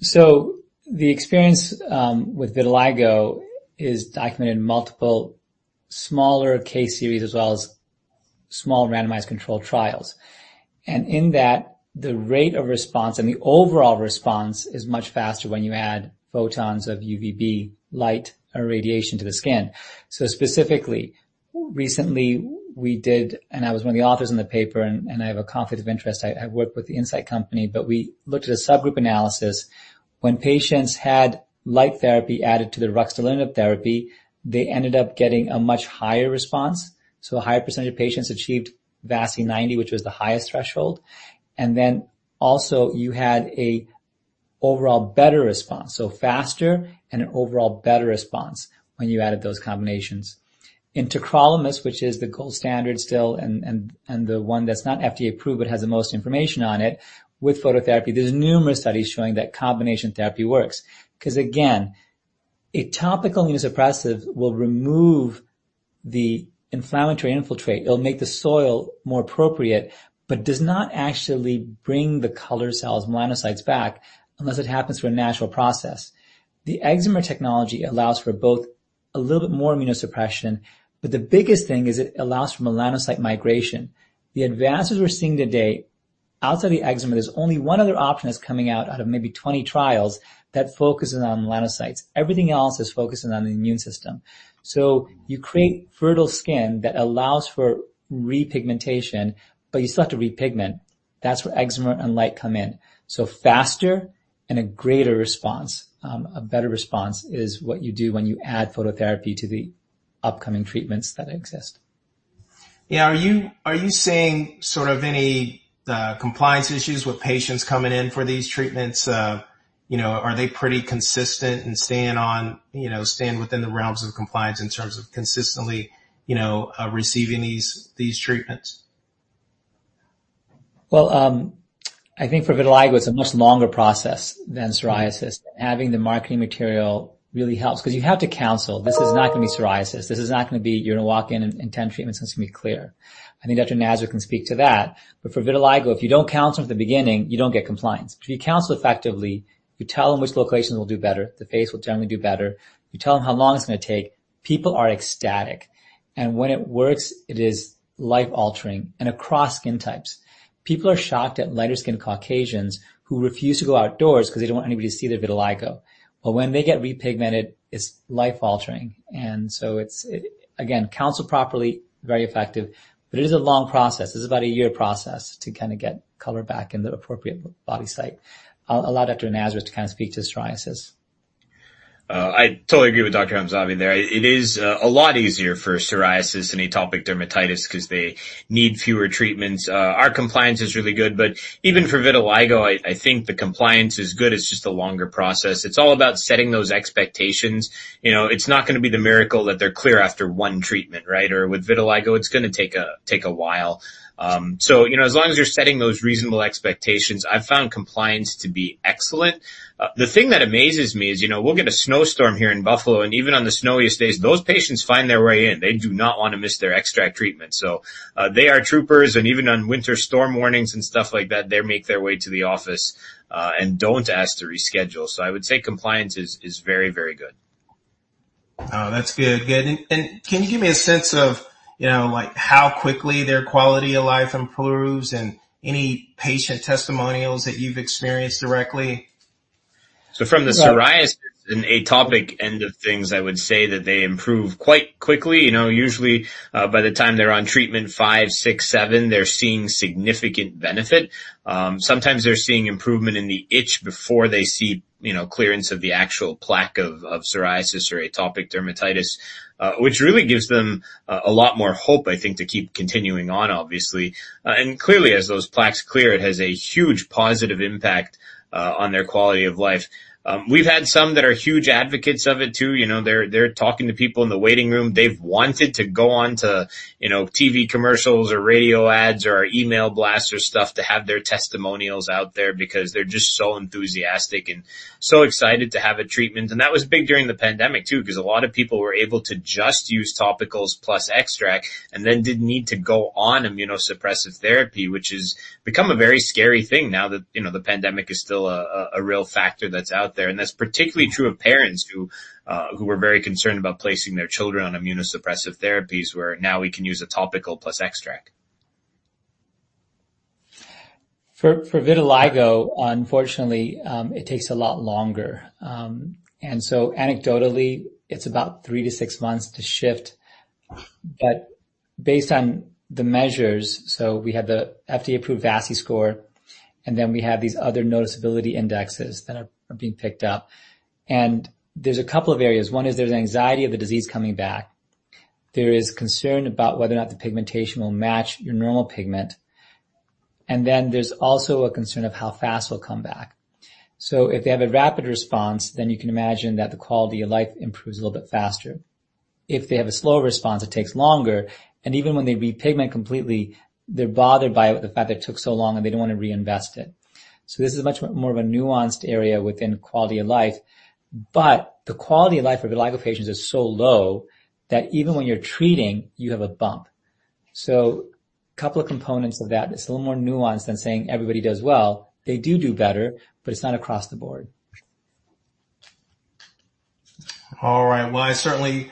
So the experience with vitiligo is documented in multiple smaller case series, as well as small randomized controlled trials. And in that, the rate of response and the overall response is much faster when you add photons of UVB light or radiation to the skin. So specifically, recently we did, and I was one of the authors on the paper, and I have a conflict of interest. I worked with the Incyte, but we looked at a subgroup analysis. When patients had light therapy added to the ruxolitinib therapy, they ended up getting a much higher response, so a higher percentage of patients achieved VASI 90, which was the highest threshold. And then also, you had a overall better response, so faster and an overall better response when you added those combinations. In tacrolimus, which is the gold standard still and the one that's not FDA-approved, but has the most information on it, with phototherapy, there's numerous studies showing that combination therapy works. Because, again, a topical immunosuppressive will remove the inflammatory infiltrate. It'll make the soil more appropriate, but does not actually bring the color cells, melanocytes, back unless it happens through a natural process. The excimer technology allows for both a little bit more immunosuppression, but the biggest thing is it allows for melanocyte migration. The advances we're seeing today, outside the excimer, there's only one other option that's coming out, out of maybe 20 trials, that focuses on melanocytes. Everything else is focusing on the immune system. So you create fertile skin that allows for repigmentation, but you still have to repigment. That's where excimer and light come in. So faster and a greater response, a better response is what you do when you add phototherapy to the upcoming treatments that exist. Yeah. Are you seeing sort of any compliance issues with patients coming in for these treatments? You know, are they pretty consistent in staying on, you know, staying within the realms of compliance in terms of consistently, you know, receiving these treatments? Well, I think for vitiligo, it's a much longer process than psoriasis. Having the marketing material really helps because you have to counsel. This is not gonna be psoriasis. This is not gonna be, you're gonna walk in, and in 10 treatments, it's gonna be clear. I think Dr. Nazareth can speak to that. But for vitiligo, if you don't counsel from the beginning, you don't get compliance. But if you counsel effectively, you tell them which locations will do better, the face will generally do better. You tell them how long it's gonna take. People are ecstatic, and when it works, it is life-altering and across skin types. People are shocked at lighter-skinned Caucasians who refuse to go outdoors because they don't want anybody to see their vitiligo. But when they get repigmented, it's life-altering, and so it's... Again, counsel properly, very effective, but it is a long process. This is about a year process to kind of get color back in the appropriate body site. I'll allow Dr. Nazareth to kind of speak to psoriasis. I totally agree with Dr. Hamzavi there. It is, a lot easier for psoriasis than atopic dermatitis because they need fewer treatments. Our compliance is really good, but even for vitiligo, I, I think the compliance is good. It's just a longer process. It's all about setting those expectations. You know, it's not gonna be the miracle that they're clear after one treatment, right? Or with vitiligo, it's gonna take a while. So, you know, as long as you're setting those reasonable expectations, I've found compliance to be excellent. The thing that amazes me is, you know, we'll get a snowstorm here in Buffalo, and even on the snowiest days, those patients find their way in. They do not want to miss their XTRAC treatment, so they are troopers, and even on winter storm warnings and stuff like that, they make their way to the office, and don't ask to reschedule. So I would say compliance is very, very good. Oh, that's good. Good. And can you give me a sense of, you know, like, how quickly their quality of life improves and any patient testimonials that you've experienced directly? So from the psoriasis and atopic end of things, I would say that they improve quite quickly. You know, usually by the time they're on treatment five, six, seven, they're seeing significant benefit. Sometimes they're seeing improvement in the itch before they see, you know, clearance of the actual plaque of psoriasis or atopic dermatitis, which really gives them a lot more hope, I think, to keep continuing on, obviously. And clearly, as those plaques clear, it has a huge positive impact on their quality of life. We've had some that are huge advocates of it too. You know, they're talking to people in the waiting room. They've wanted to go on to, you know, TV commercials or radio ads or email blasts or stuff to have their testimonials out there because they're just so enthusiastic and so excited to have a treatment. That was big during the pandemic, too, 'cause a lot of people were able to just use topicals plus XTRAC and then didn't need to go on immunosuppressive therapy, which has become a very scary thing now that, you know, the pandemic is still a real factor that's out there. That's particularly true of parents who were very concerned about placing their children on immunosuppressive therapies, where now we can use a topical plus XTRAC. For vitiligo, unfortunately, it takes a lot longer. And so anecdotally, it's about three-six months to shift. But based on the measures, so we have the FDA-approved VASI score, and then we have these other noticeability indexes that are being picked up. And there's a couple of areas. One is there's anxiety of the disease coming back. There is concern about whether or not the pigmentation will match your normal pigment, and then there's also a concern of how fast it'll come back. So if they have a rapid response, then you can imagine that the quality of life improves a little bit faster. If they have a slow response, it takes longer, and even when they repigment completely, they're bothered by the fact that it took so long, and they don't want to reinvest it. This is much more of a nuanced area within quality of life, but the quality of life of vitiligo patients is so low that even when you're treating, you have a bump. A couple of components of that, it's a little more nuanced than saying everybody does well. They do do better, but it's not across the board. All right. Well, I certainly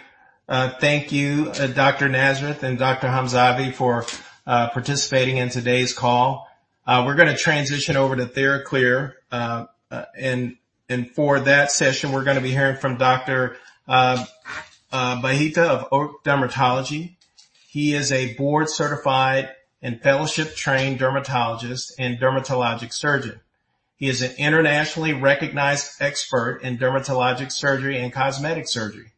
thank you, Dr. Nazareth and Dr. Hamzavi, for participating in today's call. We're gonna transition over to TheraClear. For that session, we're gonna be hearing from Dr. Bhatia of Oak Dermatology. He is a board-certified and fellowship-trained dermatologist and dermatologic surgeon. He is an internationally recognized expert in dermatologic surgery and cosmetic surgery.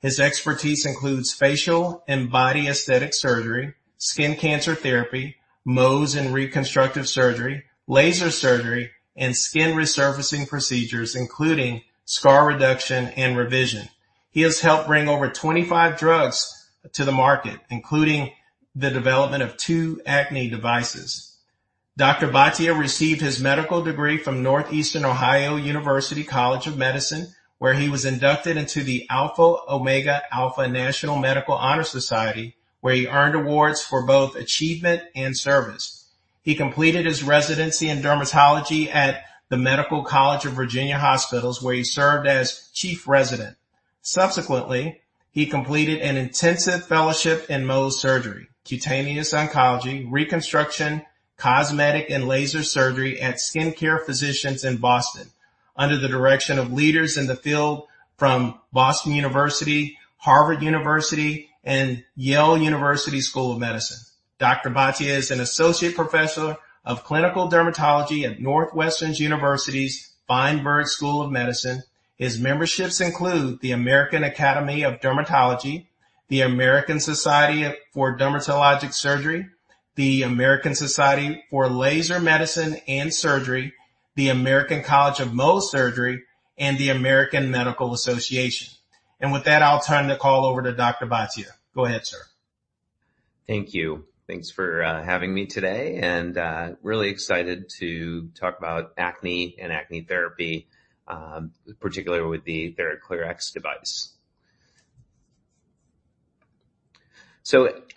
His expertise includes facial and body aesthetic surgery, skin cancer therapy, Mohs and reconstructive surgery, laser surgery, and skin resurfacing procedures, including scar reduction and revision. He has helped bring over 25 drugs to the market, including the development of two acne devices. Dr. Bhatia received his medical degree from Northeastern Ohio Universities College of Medicine, where he was inducted into the Alpha Omega Alpha National Medical Honor Society, where he earned awards for both achievement and service. He completed his residency in dermatology at the Medical College of Virginia Hospitals, where he served as chief resident. Subsequently, he completed an intensive fellowship in Mohs surgery, cutaneous oncology, reconstruction, cosmetic and laser surgery at SkinCare Physicians in Boston, under the direction of leaders in the field from Boston University, Harvard University, and Yale University School of Medicine. Dr. Bhatia is an associate professor of clinical dermatology at Northwestern University's Feinberg School of Medicine. His memberships include the American Academy of Dermatology, the American Society for Dermatologic Surgery, the American Society for Laser Medicine and Surgery, the American College of Mohs Surgery, and the American Medical Association. With that, I'll turn the call over to Dr. Bhatia. Go ahead, sir. Thank you. Thanks for having me today, and really excited to talk about acne and acne therapy, particularly with the TheraClear X device.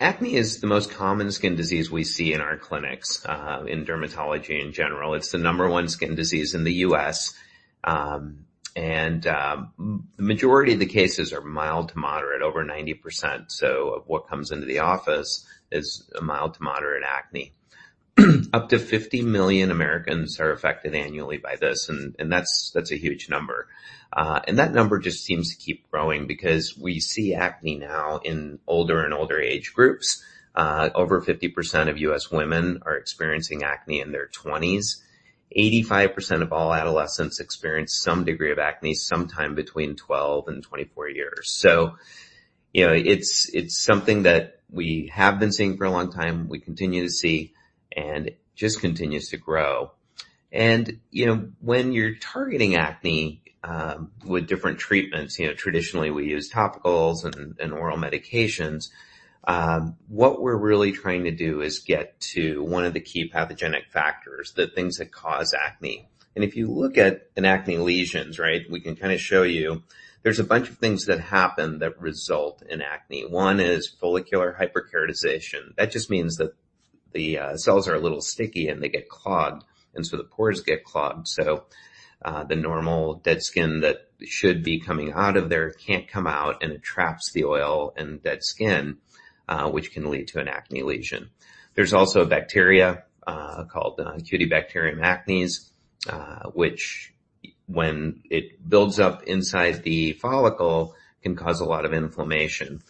Acne is the most common skin disease we see in our clinics in dermatology in general. It's the number one skin disease in the U.S. The majority of the cases are mild to moderate, over 90%. So of what comes into the office is a mild to moderate acne. Up to 50 million Americans are affected annually by this, and that's a huge number. That number just seems to keep growing because we see acne now in older and older age groups. Over 50% of U.S. women are experiencing acne in their twenties. 85% of all adolescents experience some degree of acne sometime between 12 and 24 years. So, you know, it's something that we have been seeing for a long time, we continue to see, and it just continues to grow. You know, when you're targeting acne with different treatments, traditionally we use topicals and oral medications. What we're really trying to do is get to one of the key pathogenic factors, the things that cause acne. If you look at an acne lesion, right, we can kind of show you there's a bunch of things that happen that result in acne. One is follicular hyperkeratinization. That just means the cells are a little sticky, and they get clogged, and so the pores get clogged. The normal dead skin that should be coming out of there can't come out, and it traps the oil and dead skin, which can lead to an acne lesion. There's also a bacteria called Cutibacterium acnes, which when it builds up inside the follicle, can cause a lot of inflammation.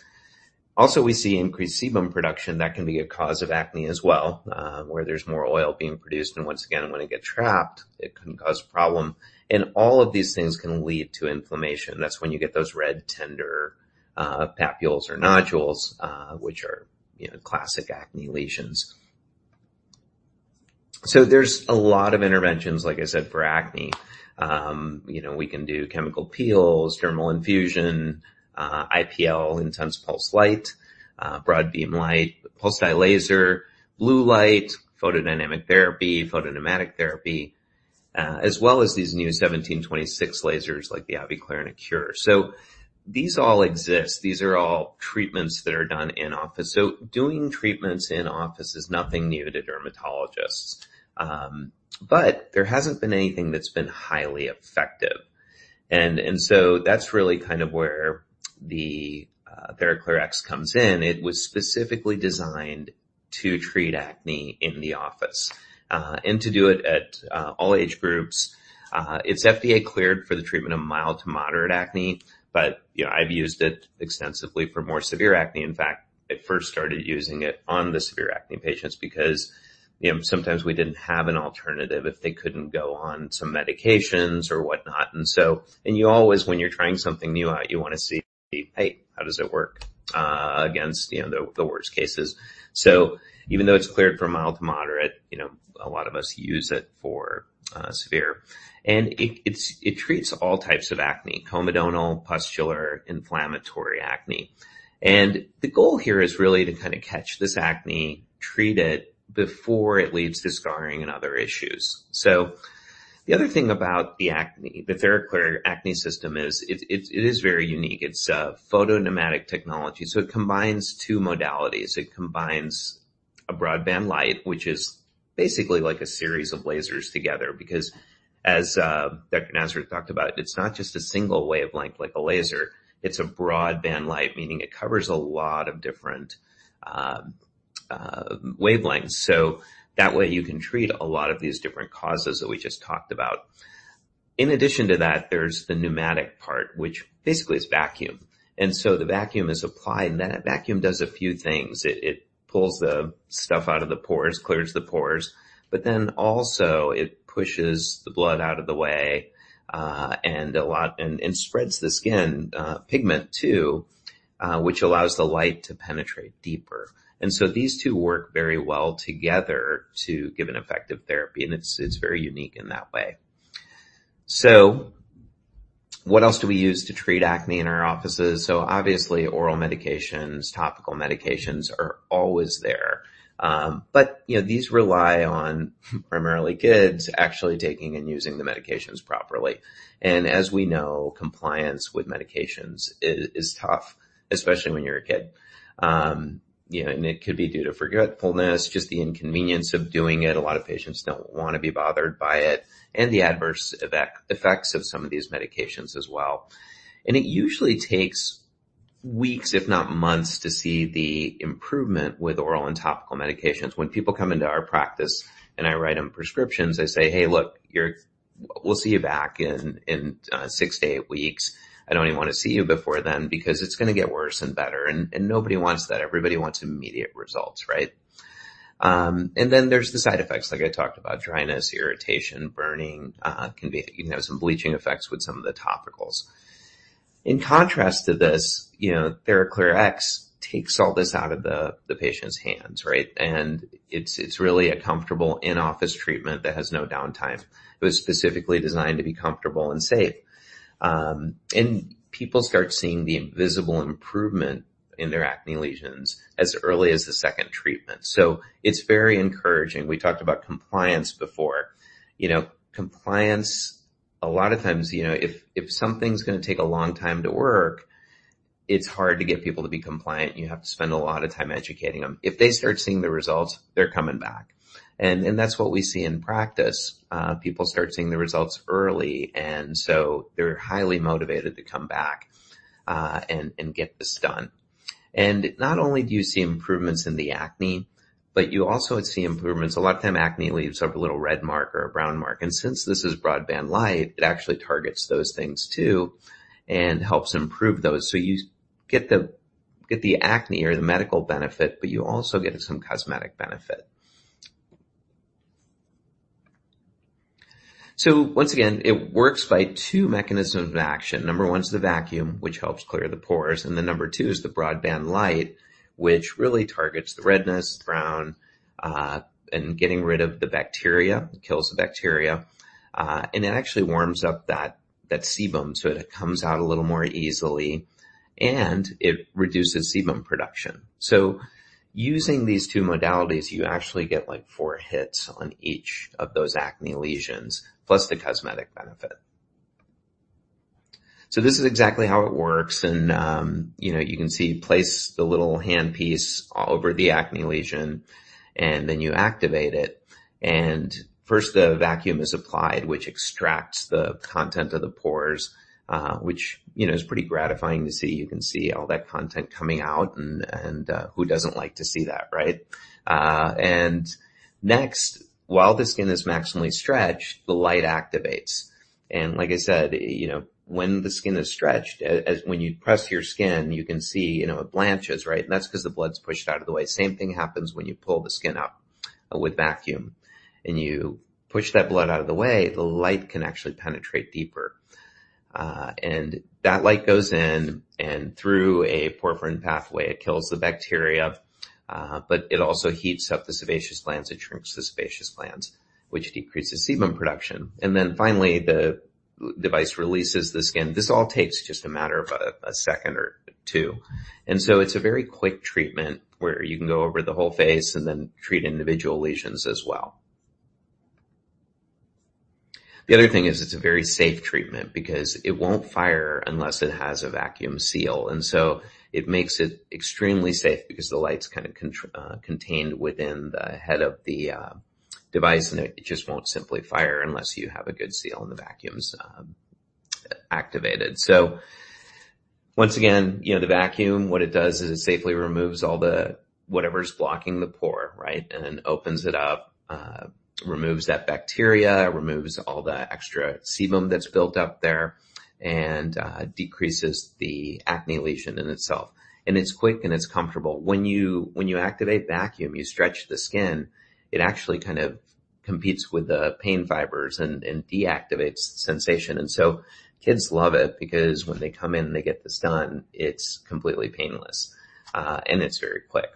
Also, we see increased sebum production that can be a cause of acne as well, where there's more oil being produced, and once again, when it gets trapped, it can cause a problem. And all of these things can lead to inflammation. That's when you get those red, tender papules or nodules, which are, you know, classic acne lesions. So there's a lot of interventions, like I said, for acne. You know, we can do chemical peels, dermal infusion, IPL, intense pulsed light, broadband light, pulsed dye laser, blue light, photodynamic therapy, photopneumatic therapy, as well as these new 1726 lasers like the AviClear and Accure. So these all exist. These are all treatments that are done in office. So doing treatments in office is nothing new to dermatologists. But there hasn't been anything that's been highly effective. And so that's really kind of where the TheraClear X comes in. It was specifically designed to treat acne in the office, and to do it at all age groups. It's FDA cleared for the treatment of mild to moderate acne, but, you know, I've used it extensively for more severe acne. In fact, I first started using it on the severe acne patients because, you know, sometimes we didn't have an alternative if they couldn't go on some medications or whatnot. And so... You always, when you're trying something new out, you wanna see, "Hey, how does it work, you know, against the worst cases?" Even though it's cleared for mild to moderate, you know, a lot of us use it for severe. It treats all types of acne, comedonal, pustular, inflammatory acne. The goal here is really to kinda catch this acne, treat it before it leads to scarring and other issues. The other thing about the acne, the TheraClear X acne system is it is very unique. It's a photopneumatic technology, so it combines two modalities. It combines a broadband light, which is basically like a series of lasers together, because as Dr. Nazareth talked about, it's not just a single wavelength, like a laser; it's a broadband light, meaning it covers a lot of different wavelengths. So that way, you can treat a lot of these different causes that we just talked about. In addition to that, there's the pneumatic part, which basically is vacuum, and so the vacuum is applied. And that vacuum does a few things. It pulls the stuff out of the pores, clears the pores, but then also it pushes the blood out of the way, and spreads the skin pigment too, which allows the light to penetrate deeper. And so these two work very well together to give an effective therapy, and it's very unique in that way. So what else do we use to treat acne in our offices? So obviously, oral medications, topical medications are always there. But, you know, these rely on primarily kids actually taking and using the medications properly. As we know, compliance with medications is tough, especially when you're a kid. You know, it could be due to forgetfulness, just the inconvenience of doing it. A lot of patients don't want to be bothered by it, and the adverse effects of some of these medications as well. It usually takes weeks, if not months, to see the improvement with oral and topical medications. When people come into our practice, and I write them prescriptions, I say, "Hey, look, you're... We'll see you back in, in six to eight weeks. I don't even wanna see you before then because it's gonna get worse and better," and nobody wants that. Everybody wants immediate results, right? You know, and then there's the side effects. Like I talked about, dryness, irritation, burning, can be, you know, some bleaching effects with some of the topicals. In contrast to this, you know, TheraClear X takes all this out of the patient's hands, right? And it's really a comfortable in-office treatment that has no downtime. It was specifically designed to be comfortable and safe. And people start seeing the visible improvement in their acne lesions as early as the second treatment. So it's very encouraging. We talked about compliance before. You know, compliance, a lot of times, you know, if something's gonna take a long time to work, it's hard to get people to be compliant, and you have to spend a lot of time educating them. If they start seeing the results, they're coming back. And that's what we see in practice. People start seeing the results early, and so they're highly motivated to come back, and get this done. Not only do you see improvements in the acne, but you also see improvements... a lot of time acne leaves a little red mark or a brown mark, and since this is broadband light, it actually targets those things too and helps improve those. You get the, get the acne or the medical benefit, but you also get some cosmetic benefit. Once again, it works by two mechanisms of action. Number one is the vacuum, which helps clear the pores, and number two is the broadband light, which really targets the redness, brown, and getting rid of the bacteria, kills the bacteria, and it actually warms up that, that sebum, so it comes out a little more easily, and it reduces sebum production. Using these two modalities, you actually get like four hits on each of those acne lesions, plus the cosmetic benefit.... This is exactly how it works, and, you know, you can see, place the little handpiece over the acne lesion, and then you activate it. First, the vacuum is applied, which extracts the content of the pores, which, you know, is pretty gratifying to see. You can see all that content coming out and, who doesn't like to see that, right? Next, while the skin is maximally stretched, the light activates. Like I said, you know, when the skin is stretched, as when you press your skin, you can see, you know, it blanches, right? That's 'cause the blood's pushed out of the way. Same thing happens when you pull the skin up with vacuum and you push that blood out of the way, the light can actually penetrate deeper. And that light goes in, and through a porphyrin pathway, it kills the bacteria, but it also heats up the sebaceous glands. It shrinks the sebaceous glands, which decreases sebum production. And then finally, the device releases the skin. This all takes just a matter of a second or two. And so it's a very quick treatment where you can go over the whole face and then treat individual lesions as well. The other thing is it's a very safe treatment because it won't fire unless it has a vacuum seal. And so it makes it extremely safe because the light's kind of contained within the head of the device, and it just won't simply fire unless you have a good seal and the vacuum's activated. So once again, you know, the vacuum, what it does is it safely removes all the whatever's blocking the pore, right? And opens it up, removes that bacteria, removes all the extra sebum that's built up there, and decreases the acne lesion in itself, and it's quick, and it's comfortable. When you activate vacuum, you stretch the skin, it actually kind of competes with the pain fibers and deactivates the sensation. And so kids love it because when they come in and they get this done, it's completely painless, and it's very quick.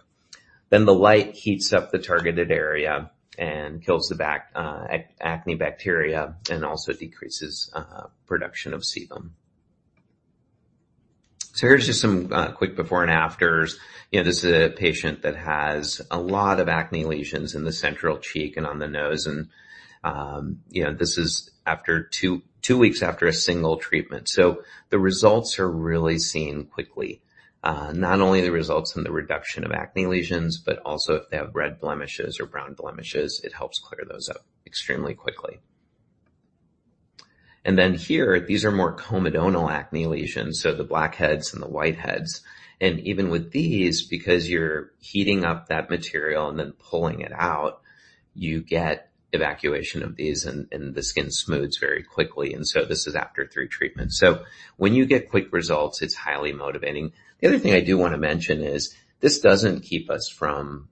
Then the light heats up the targeted area and kills the acne bacteria and also decreases production of sebum. So here's just some quick before and afters. You know, this is a patient that has a lot of acne lesions in the central cheek and on the nose, and, you know, this is after two weeks after a single treatment. So the results are really seen quickly. Not only the results in the reduction of acne lesions, but also if they have red blemishes or brown blemishes, it helps clear those up extremely quickly. And then here, these are more comedonal acne lesions, so the blackheads and the whiteheads. And even with these, because you're heating up that material and then pulling it out, you get evacuation of these, and the skin smooths very quickly. And so this is after three treatments. So when you get quick results, it's highly motivating. The other thing I do want to mention is, this doesn't keep us from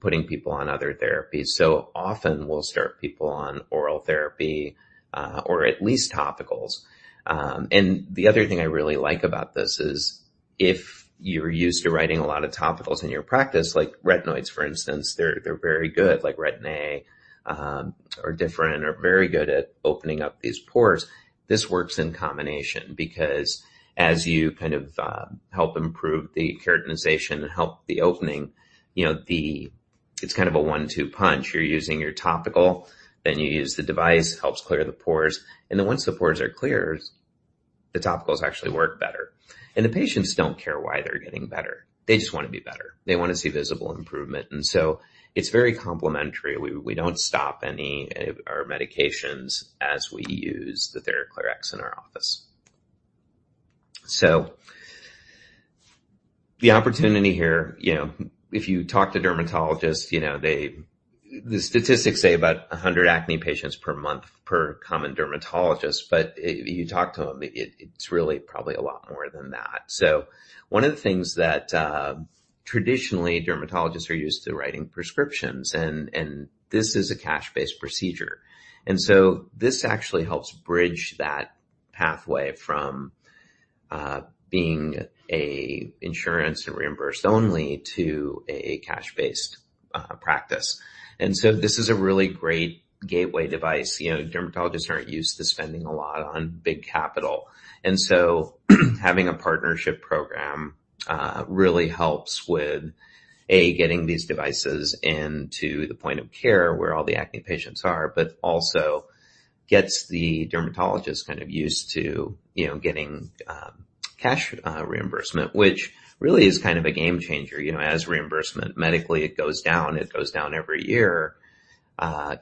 putting people on other therapies. So often we'll start people on oral therapy, or at least topicals. And the other thing I really like about this is, if you're used to writing a lot of topicals in your practice, like retinoids, for instance, they're, they're very good, like Retin-A, or Differin, are very good at opening up these pores. This works in combination because as you kind of, help improve the keratinization and help the opening, you know, It's kind of a one-two punch. You're using your topical, then you use the device, helps clear the pores, and then once the pores are clear, the topicals actually work better. And the patients don't care why they're getting better. They just want to be better. They want to see visible improvement, and so it's very complementary. We don't stop any of our medications as we use the TheraClearX in our office. So the opportunity here, you know, if you talk to dermatologists, you know, they. The statistics say about 100 acne patients per month per common dermatologist, but you talk to them, it, it's really probably a lot more than that. So one of the things that traditionally dermatologists are used to writing prescriptions, and this is a cash-based procedure, and so this actually helps bridge that pathway from being insurance reimbursed only to a cash-based practice. And so this is a really great gateway device. You know, dermatologists aren't used to spending a lot on big capital, and so having a partnership program really helps with, A. Getting these devices into the point of care where all the acne patients are, but also gets the dermatologist kind of used to, you know, getting, cash reimbursement, which really is kind of a game changer. You know, as reimbursement, medically, it goes down, it goes down every year.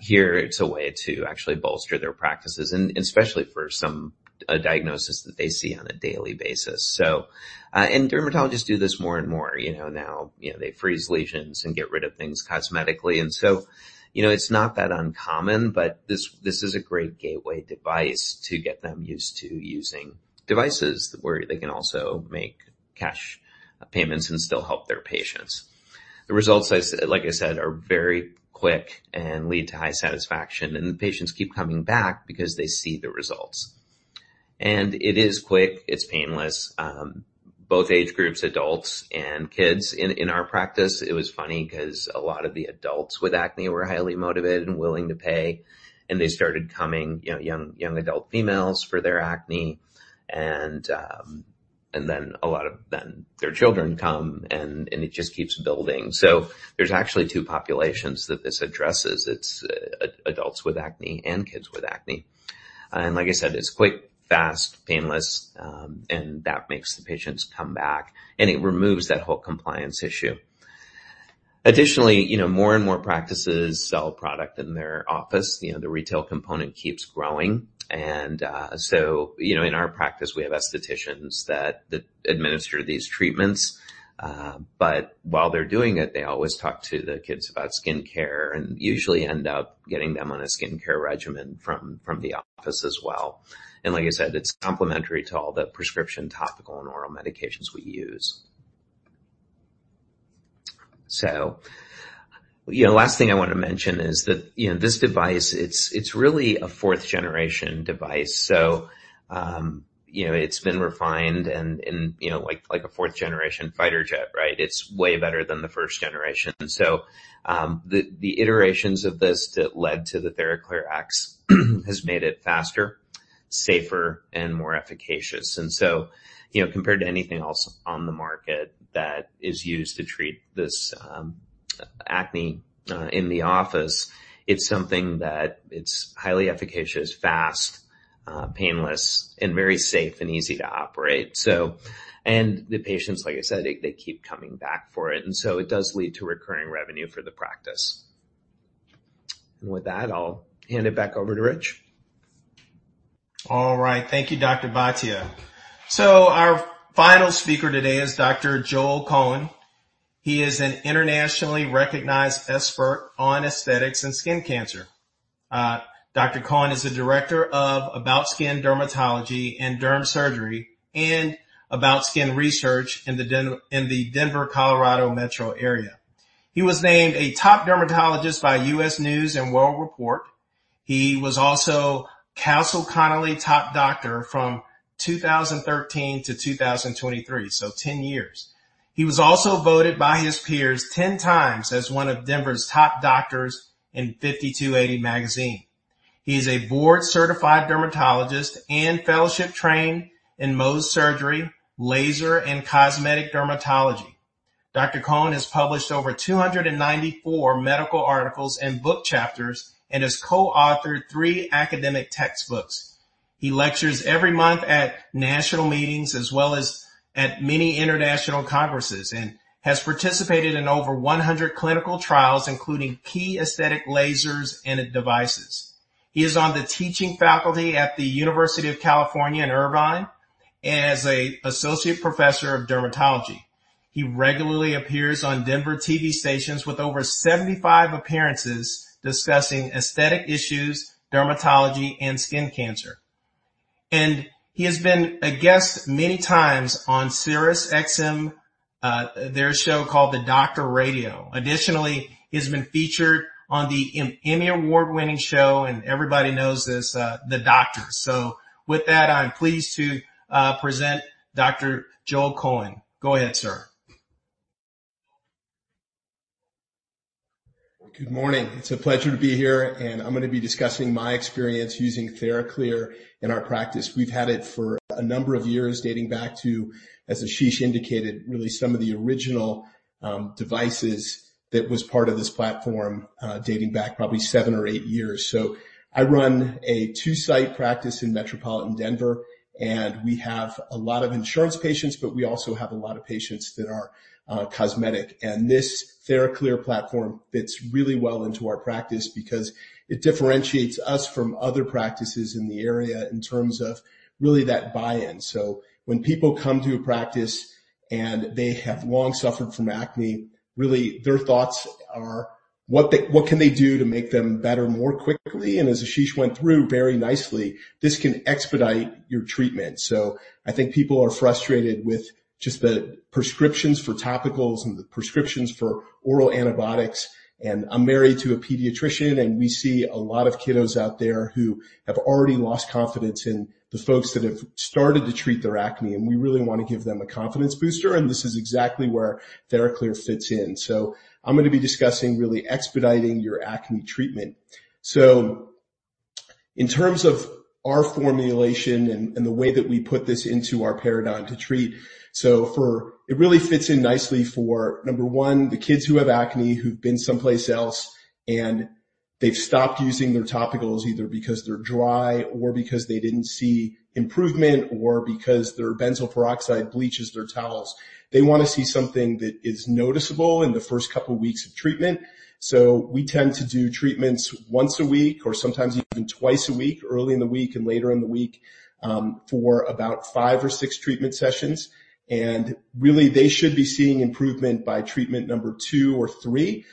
Here it's a way to actually bolster their practices and especially for some, a diagnosis that they see on a daily basis. So, and dermatologists do this more and more, you know, now, you know, they freeze lesions and get rid of things cosmetically. You know, it's not that uncommon, but this is a great gateway device to get them used to using devices, where they can also make cash payments and still help their patients. The results, like I said, are very quick and lead to high satisfaction, and the patients keep coming back because they see the results. It is quick; it's painless. Both age groups, adults and kids in our practice, it was funny because a lot of the adults with acne were highly motivated and willing to pay, and they started coming, you know, young adult females for their acne and then a lot of them, their children come, and it just keeps building. There's actually two populations that this addresses. It's adults with acne and kids with acne. And like I said, it's quite fast, painless, and that makes the patients come back, and it removes that whole compliance issue. Additionally, you know, more and more practices sell product in their office. You know, the retail component keeps growing, and so, you know, in our practice, we have aestheticians that administer these treatments. But while they're doing it, they always talk to the kids about skincare and usually end up getting them on a skincare regimen from the office as well. And like I said, it's complementary to all the prescription, topical and oral medications we use. So, you know, last thing I wanted to mention is that, you know, this device, it's really a fourth-generation device. So, you know, it's been refined and, you know, like a fourth-generation fighter jet, right? It's way better than the first generation. So, the iterations of this that led to the TheraClear X has made it faster, safer, and more efficacious. And so, you know, compared to anything else on the market that is used to treat this, acne, in the office, it's something that it's highly efficacious, fast, painless, and very safe and easy to operate. So... And the patients, like I said, they keep coming back for it, and so it does lead to recurring revenue for the practice. And with that, I'll hand it back over to Rich. All right. Thank you, Dr. Bhatia. So our final speaker today is Dr. Joel Cohen. He is an internationally recognized expert on aesthetics and skin cancer. Dr. Cohen is the director of AboutSkin Dermatology and DermSurgery and AboutSkin Research in the Denver, Colorado, metro area. He was named a top dermatologist by U.S. News & World Report. He was also Castle Connolly Top Doctor from 2013 to 2023, so 10 years. He was also voted by his peers 10 times as one of Denver's top doctors in 5280 Magazine. He is a board-certified dermatologist and fellowship-trained in Mohs surgery, laser, and cosmetic dermatology. Dr. Cohen has published over 294 medical articles and book chapters and has co-authored three academic textbooks. He lectures every month at national meetings, as well as at many international congresses, and has participated in over 100 clinical trials, including key aesthetic lasers and devices. He is on the teaching faculty at the University of California, Irvine, and as an associate professor of dermatology. He regularly appears on Denver TV stations with over 75 appearances discussing aesthetic issues, dermatology, and skin cancer. He has been a guest many times on SiriusXM, their show called Doctor Radio. Additionally, he's been featured on the Emmy Award-winning show, and everybody knows this, The Doctors. So with that, I'm pleased to present Dr. Joel Cohen. Go ahead, sir. Good morning. It's a pleasure to be here, and I'm gonna be discussing my experience using TheraClear in our practice. We've had it for a number of years, dating back to, as Ashish indicated, really some of the original devices that was part of this platform, dating back probably seven or eight years. I run a two-site practice in metropolitan Denver, and we have a lot of insurance patients, but we also have a lot of patients that are cosmetic. This TheraClear platform fits really well into our practice because it differentiates us from other practices in the area in terms of really that buy-in. When people come to a practice and they have long suffered from acne, really their thoughts are, what they—what can they do to make them better, more quickly? As Ashish went through very nicely, this can expedite your treatment. I think people are frustrated with just the prescriptions for topicals and the prescriptions for oral antibiotics. I'm married to a pediatrician, and we see a lot of kiddos out there who have already lost confidence in the folks that have started to treat their acne, and we really want to give them a confidence booster. This is exactly where TheraClear fits in. I'm gonna be discussing really expediting your acne treatment. In terms of our formulation and the way that we put this into our paradigm to treat, it really fits in nicely for, number one, the kids who have acne, who've been someplace else, and they've stopped using their topicals, either because they're dry or because they didn't see improvement, or because their benzoyl peroxide bleaches their towels. They wanna see something that is noticeable in the first couple weeks of treatment. We tend to do treatments once a week or sometimes even twice a week, early in the week and later in the week, for about five or six treatment sessions, and really they should be seeing improvement by treatment number two or three,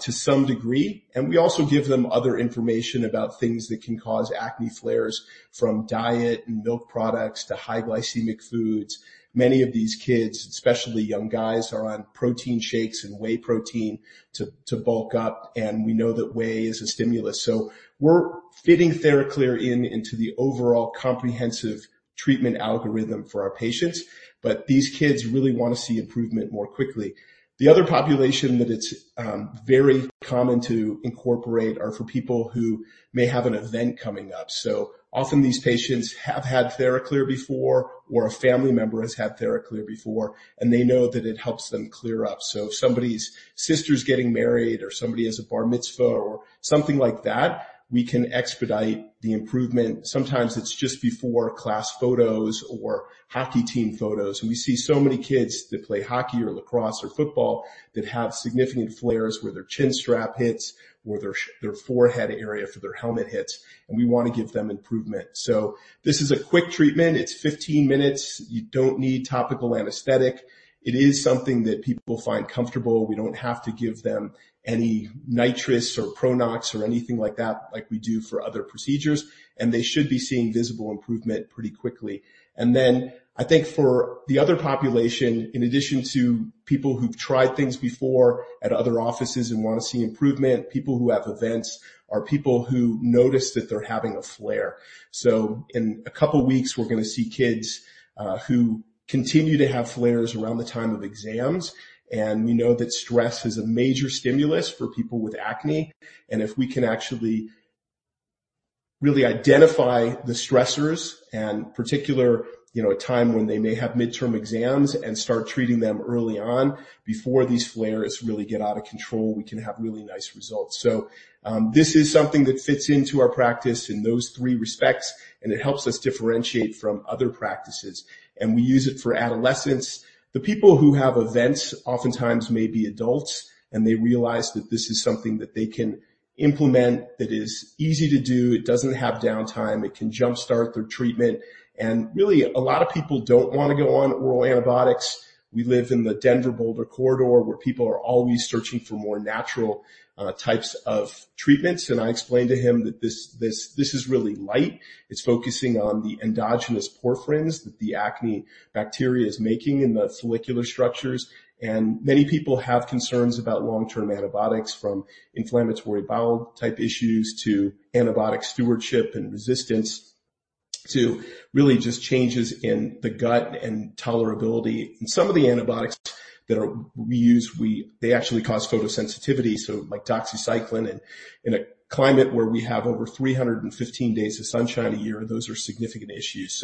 to some degree. We also give them other information about things that can cause acne flares, from diet and milk products to high glycemic foods. Many of these kids, especially young guys, are on protein shakes and whey protein to bulk up, and we know that whey is a stimulus. We're fitting TheraClear into the overall comprehensive treatment algorithm for our patients, but these kids really want to see improvement more quickly. The other population that it's very common to incorporate are for people who may have an event coming up. So often these patients have had TheraClear before, or a family member has had TheraClear before, and they know that it helps them clear up. So if somebody's sister's getting married or somebody has a bar mitzvah or something like that, we can expedite the improvement. Sometimes it's just before class photos or hockey team photos. We see so many kids that play hockey or lacrosse or football that have significant flares where their chin strap hits, where their forehead area for their helmet hits, and we want to give them improvement. So this is a quick treatment. It's 15 minutes. You don't need topical anesthetic. It is something that people find comfortable. We don't have to give them any nitrous or Pro-Nox or anything like that, like we do for other procedures, and they should be seeing visible improvement pretty quickly. I think for the other population, in addition to people who've tried things before at other offices and want to see improvement, people who have events, are people who notice that they're having a flare. In a couple of weeks, we're gonna see kids who continue to have flares around the time of exams, and we know that stress is a major stimulus for people with acne, and if we can actually really identify the stressors and, in particular, you know, a time when they may have midterm exams and start treating them early on before these flares really get out of control, we can have really nice results. This is something that fits into our practice in those three respects, and it helps us differentiate from other practices, and we use it for adolescents. The people who have events oftentimes may be adults, and they realize that this is something that they can implement, that is easy to do, it doesn't have downtime, it can jumpstart their treatment. Really, a lot of people don't want to go on oral antibiotics. We live in the Denver-Boulder corridor, where people are always searching for more natural, types of treatments, and I explained to him that this, this, this is really light. It's focusing on the endogenous porphyrins that the acne bacteria is making in the follicular structures. Many people have concerns about long-term antibiotics, from inflammatory bowel type issues to antibiotic stewardship and resistance, to really just changes in the gut and tolerability. Some of the antibiotics that are... we use, they actually cause photosensitivity, like doxycycline. In a climate where we have over 315 days of sunshine a year, those are significant issues.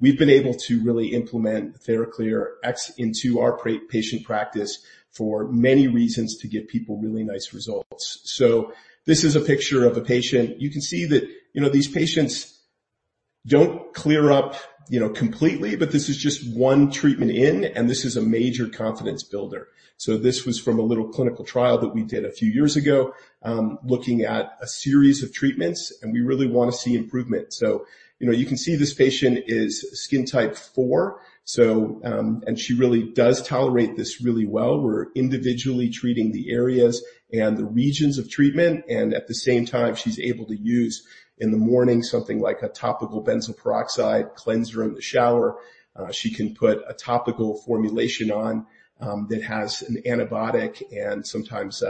We've been able to really implement TheraClear X into our patient practice for many reasons, to get people really nice results. This is a picture of a patient. You can see that, you know, these patients don't clear up, you know, completely, but this is just one treatment in, and this is a major confidence builder. This was from a little clinical trial that we did a few years ago, looking at a series of treatments, and we really want to see improvement. You know, you can see this patient is skin type four, and she really does tolerate this really well. We're individually treating the areas and the regions of treatment, and at the same time, she's able to use, in the morning, something like a topical benzoyl peroxide cleanser in the shower. She can put a topical formulation on that has an antibiotic and sometimes,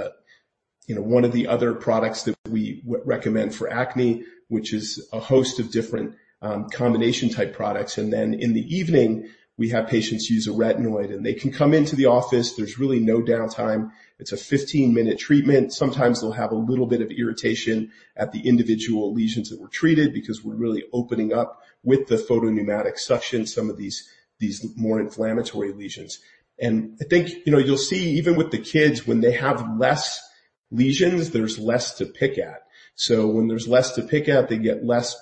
you know, one of the other products that we recommend for acne, which is a host of different combination-type products. And then in the evening, we have patients use a retinoid, and they can come into the office. There's really no downtime. It's a 15-minute treatment. Sometimes they'll have a little bit of irritation at the individual lesions that were treated because we're really opening up with the photopneumatic suction, some of these more inflammatory lesions. And I think, you know, you'll see even with the kids, when they have less lesions, there's less to pick at. So when there's less to pick at, they get less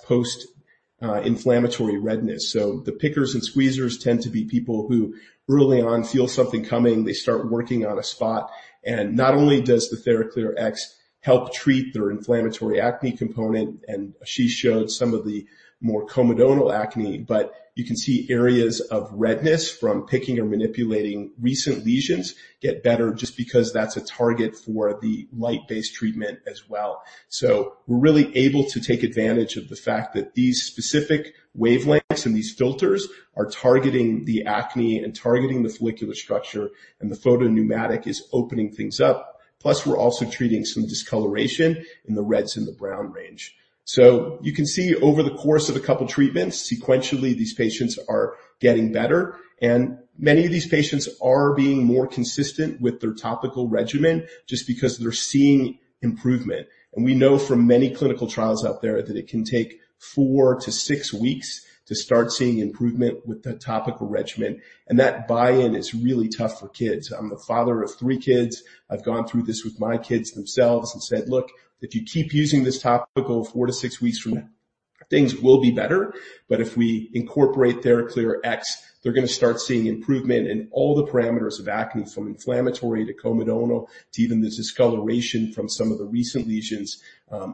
post-inflammatory redness. So the pickers and squeezers tend to be people who early on feel something coming. They start working on a spot, and not only does the TheraClear X help treat their inflammatory acne component, and she showed some of the more comedonal acne, but you can see areas of redness from picking or manipulating recent lesions get better just because that's a target for the light-based treatment as well. So we're really able to take advantage of the fact that these specific wavelengths and these filters are targeting the acne and targeting the follicular structure, and the photopneumatic is opening things up. Plus, we're also treating some discoloration in the reds and the brown range. So you can see over the course of a couple of treatments, sequentially, these patients are getting better, and many of these patients are being more consistent with their topical regimen just because they're seeing improvement. And we know from many clinical trials out there that it can take four-six weeks to start seeing improvement with the topical regimen, and that buy-in is really tough for kids. I'm the father of three kids. I've gone through this with my kids themselves and said, "Look, if you keep using this topical four-six weeks from now... " things will be better, but if we incorporate TheraClear X, they're gonna start seeing improvement in all the parameters of acne, from inflammatory to comedonal, to even the discoloration from some of the recent lesions,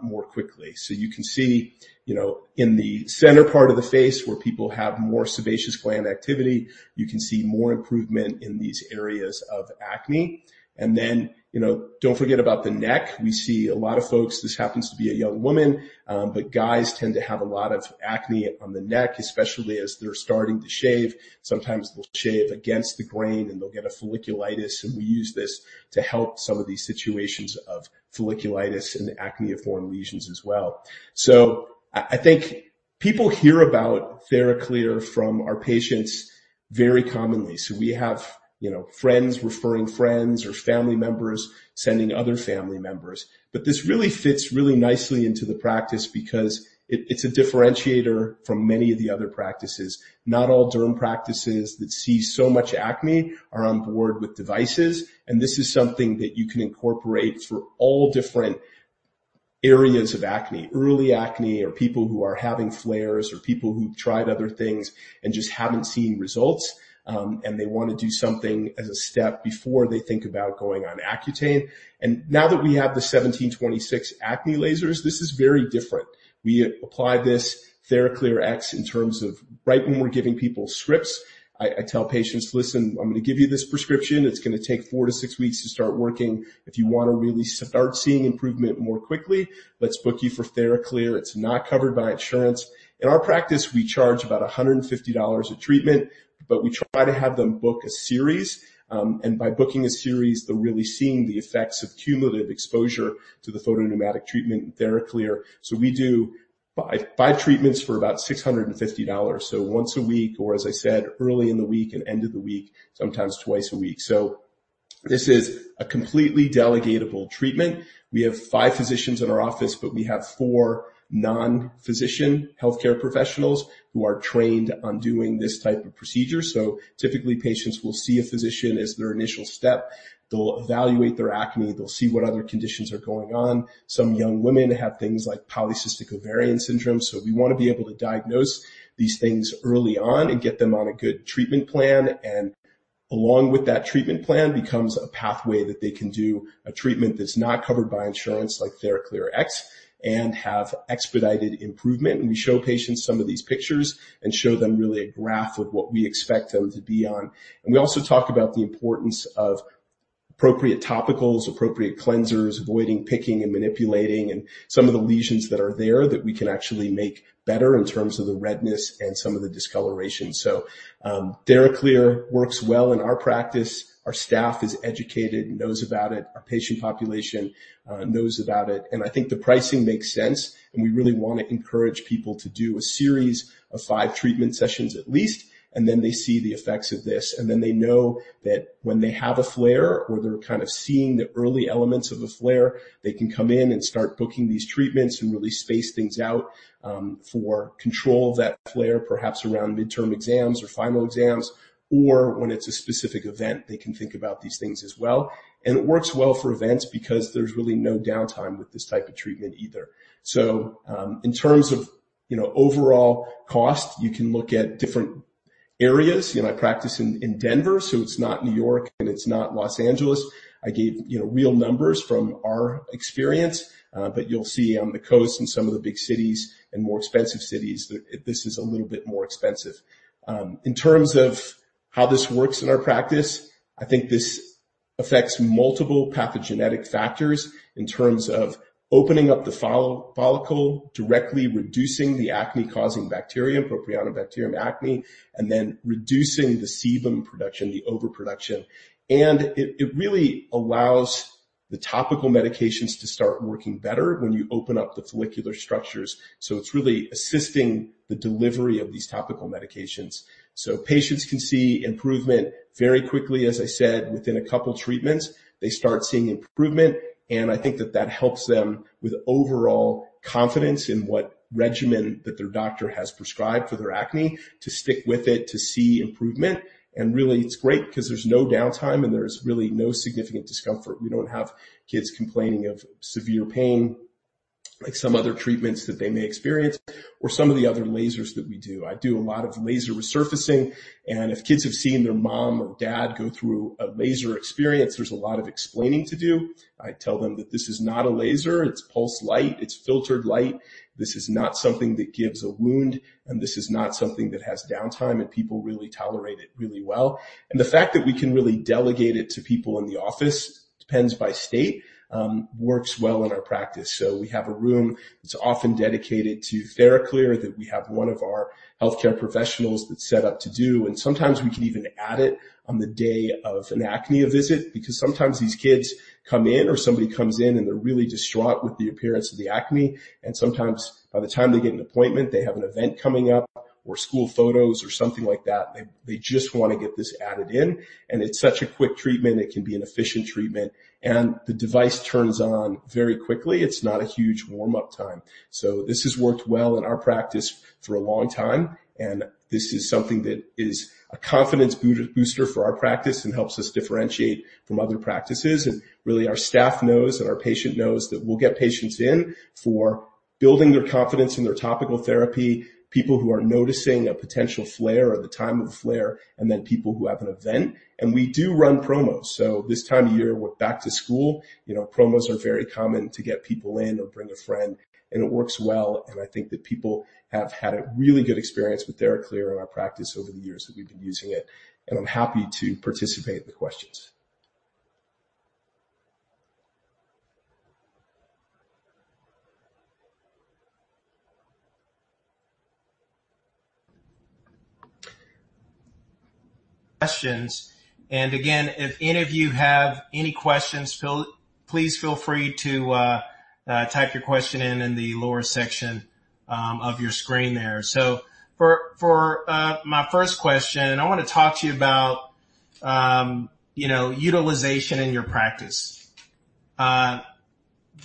more quickly. So you can see, you know, in the center part of the face where people have more sebaceous gland activity, you can see more improvement in these areas of acne. And then, you know, don't forget about the neck. We see a lot of folks; this happens to be a young woman, but guys tend to have a lot of acne on the neck, especially as they're starting to shave. Sometimes they'll shave against the grain, and they'll get a folliculitis, and we use this to help some of these situations of folliculitis and acneiform lesions as well. So I, I think people hear about TheraClear from our patients very commonly. So we have, you know, friends referring friends or family members sending other family members. But this really fits really nicely into the practice because it, it's a differentiator from many of the other practices. Not all derm practices that see so much acne are on board with devices, and this is something that you can incorporate for all different areas of acne, early acne, or people who are having flares, or people who've tried other things and just haven't seen results, and they want to do something as a step before they think about going on Accutane. Now that we have the 1726 acne lasers, this is very different. We apply this TheraClear X in terms of right when we're giving people scripts, I, I tell patients, "Listen, I'm gonna give you this prescription. It's gonna take four-six weeks to start working. If you want to really start seeing improvement more quickly, let's book you for TheraClear. It's not covered by insurance." In our practice, we charge about $150 a treatment, but we try to have them book a series. And by booking a series, they're really seeing the effects of cumulative exposure to the photopneumatic treatment, Theraclear. So we do five, five treatments for about $650. So once a week, or as I said, early in the week and end of the week, sometimes twice a week. So this is a completely delegatable treatment. We have five physicians in our office, but we have four non-physician healthcare professionals who are trained on doing this type of procedure. So typically patients will see a physician as their initial step. They'll evaluate their acne. They'll see what other conditions are going on. Some young women have things like polycystic ovarian syndrome, so we want to be able to diagnose these things early on and get them on a good treatment plan. And along with that treatment plan becomes a pathway that they can do a treatment that's not covered by insurance, like TheraClear X, and have expedited improvement. And we show patients some of these pictures and show them really a graph of what we expect them to be on. And we also talk about the importance of appropriate topicals, appropriate cleansers, avoiding picking and manipulating, and some of the lesions that are there that we can actually make better in terms of the redness and some of the discoloration. So, TheraClear works well in our practice. Our staff is educated, knows about it, our patient population knows about it, and I think the pricing makes sense, and we really want to encourage people to do a series of five treatment sessions at least, and then they see the effects of this. And then they know that when they have a flare, or they're kind of seeing the early elements of a flare, they can come in and start booking these treatments and really space things out for control of that flare, perhaps around midterm exams or final exams, or when it's a specific event, they can think about these things as well. And it works well for events because there's really no downtime with this type of treatment either. So, in terms of, you know, overall cost, you can look at different areas. You know, I practice in, in Denver, so it's not New York, and it's not Los Angeles. I gave, you know, real numbers from our experience, you know, but you'll see on the coast and some of the big cities and more expensive cities, that this is a little bit more expensive. In terms of how this works in our practice, I think this affects multiple pathogenetic factors in terms of opening up the follicle, directly reducing the acne-causing bacteria, Propionibacterium acnes, and then reducing the sebum production, the overproduction. It really allows the topical medications to start working better when you open up the follicular structures. It's really assisting the delivery of these topical medications. Patients can see improvement very quickly. As I said, within a couple treatments, they start seeing improvement, and I think that helps them with overall confidence in what regimen that their doctor has prescribed for their acne, to stick with it, to see improvement. Really, it's great 'cause there's no downtime, and there's really no significant discomfort. We don't have kids complaining of severe pain, like some other treatments that they may experience, or some of the other lasers that we do. I do a lot of laser resurfacing, and if kids have seen their mom or dad go through a laser experience, there's a lot of explaining to do. I tell them that this is not a laser, it's pulse light, it's filtered light. This is not something that gives a wound, and this is not something that has downtime, and people really tolerate it really well. The fact that we can really delegate it to people in the office, depends by state, works well in our practice. So we have a room that's often dedicated to TheraClear, that we have one of our healthcare professionals that's set up to do. And sometimes we can even add it on the day of an acne visit, because sometimes these kids come in, or somebody comes in, and they're really distraught with the appearance of the acne. And sometimes by the time they get an appointment, they have an event coming up or school photos or something like that, they, they just want to get this added in, and it's such a quick treatment, it can be an efficient treatment, and the device turns on very quickly. It's not a huge warm-up time. So this has worked well in our practice for a long time, and this is something that is a confidence booster for our practice and helps us differentiate from other practices. And really, our staff knows and our patient knows that we'll get patients in building their confidence in their topical therapy, people who are noticing a potential flare or the time of a flare, and then people who have an event. And we do run promos. So this time of year, we're back to school. You know, promos are very common to get people in or bring a friend, and it works well, and I think that people have had a really good experience with TheraClear in our practice over the years that we've been using it, and I'm happy to participate in the questions. Questions. And again, if any of you have any questions, please feel free to type your question in the lower section of your screen there. So for my first question, I want to talk to you about, you know, utilization in your practice. I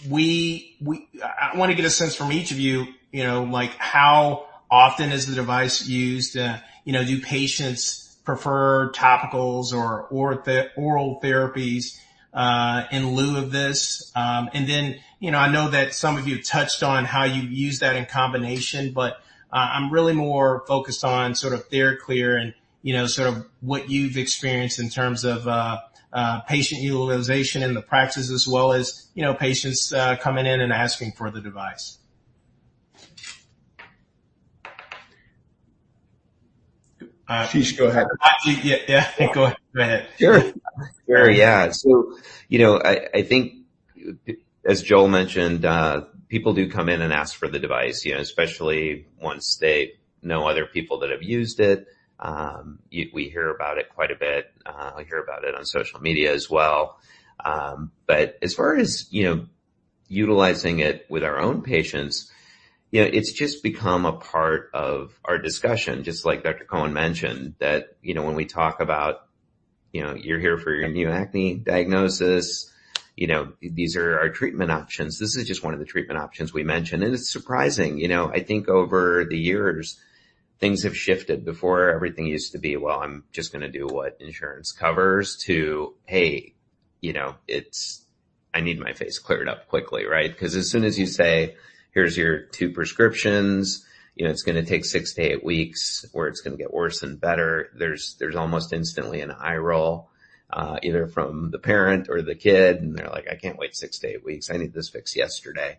want to get a sense from each of you, you know, like, how often is the device used? You know, do patients prefer topicals or the oral therapies in lieu of this? And then, you know, I know that some of you touched on how you use that in combination, but I'm really more focused on sort of TheraClear and, you know, sort of what you've experienced in terms of patient utilization in the practices as well as, you know, patients coming in and asking for the device. Please, go ahead. Yeah. Yeah. Go ahead. Sure. Yeah. You know, I think as Joel mentioned, people do come in and ask for the device, you know, especially once they know other people that have used it. You know, we hear about it quite a bit, we hear about it on social media as well. As far as, you know, utilizing it with our own patients, you know, it's just become a part of our discussion, just like Dr. Cohen mentioned, that, you know, when we talk about, you know, you're here for your new acne diagnosis, you know, these are our treatment options. This is just one of the treatment options we mention. It's surprising, you know, I think over the years, things have shifted. Before everything used to be, "Well, I'm just gonna do what insurance covers," to, "Hey, you know, it's... I need my face cleared up quickly," right? Because as soon as you say, "Here's your two prescriptions, you know, it's gonna take six-eight weeks, or it's gonna get worse and better," there's almost instantly an eye roll, either from the parent or the kid, and they're like, "I can't wait six-eight weeks. I need this fixed yesterday."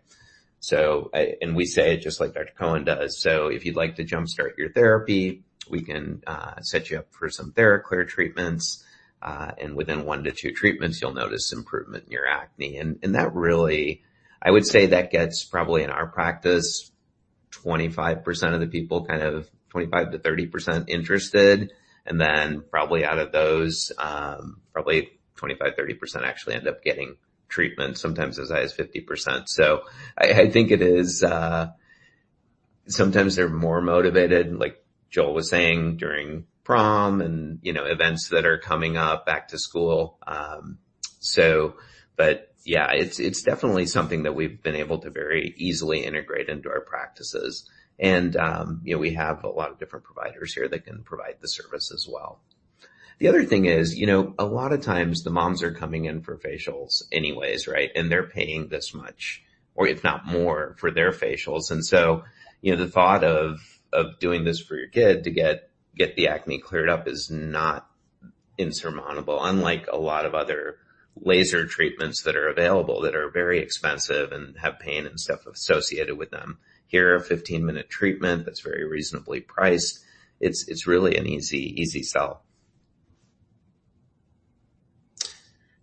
So I... And we say it just like Dr. Cohen does: "If you'd like to jumpstart your therapy, we can set you up for some TheraClear treatments, and within one-two treatments, you'll notice improvement in your acne." That really, I would say, gets probably in our practice, 25% of the people, kind of 25%-30% interested, and then probably out of those, probably 25%, 30% actually end up getting treatment, sometimes as high as 50%. I think it is, sometimes they're more motivated, like Joel was saying, during prom and, you know, events that are coming up back to school. Yeah, it's definitely something that we've been able to very easily integrate into our practices, and, you know, we have a lot of different providers here that can provide the service as well. The other thing is, you know, a lot of times the moms are coming in for facials anyways, right? And they're paying this much or if not more, for their facials. And so, you know, the thought of doing this for your kid to get the acne cleared up is not insurmountable, unlike a lot of other laser treatments that are available that are very expensive and have pain and stuff associated with them. Here, a 15-minute treatment that's very reasonably priced, it's really an easy, easy sell.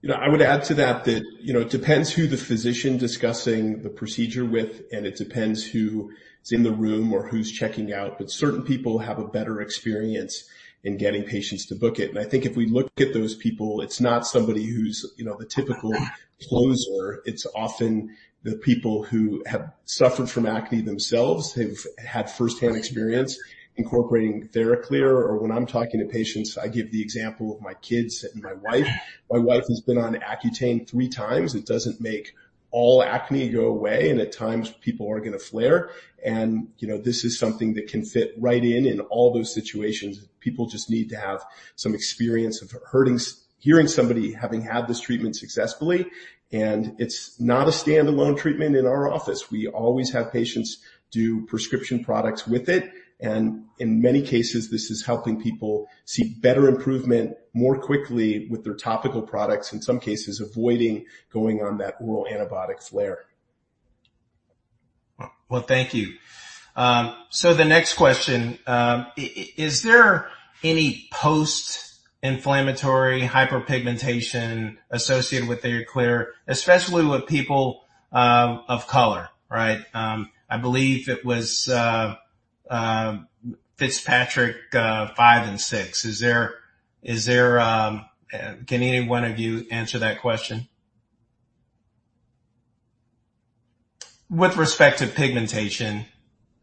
You know, I would add to that, that, you know, it depends who the physician discussing the procedure with, and it depends who is in the room or who's checking out, but certain people have a better experience in getting patients to book it. I think if we look at those people, it's not somebody who's, you know, the typical closer. It's often the people who have suffered from acne themselves, who've had firsthand experience incorporating TheraClear, or when I'm talking to patients, I give the example of my kids and my wife. My wife has been on Accutane three times. It doesn't make all acne go away, and at times people are gonna flare. You know, this is something that can fit right in in all those situations. People just need to have some experience of hearing somebody having had this treatment successfully, and it's not a standalone treatment in our office. We always have patients do prescription products with it, and in many cases, this is helping people see better improvement more quickly with their topical products, in some cases, avoiding going on that oral antibiotic flare. Well, thank you. So the next question: Is there any post-inflammatory hyperpigmentation associated with TheraClear, especially with people of color? Right? I believe it was Fitzpatrick V and VI. Is there... Can any one of you answer that question? With respect to pigmentation-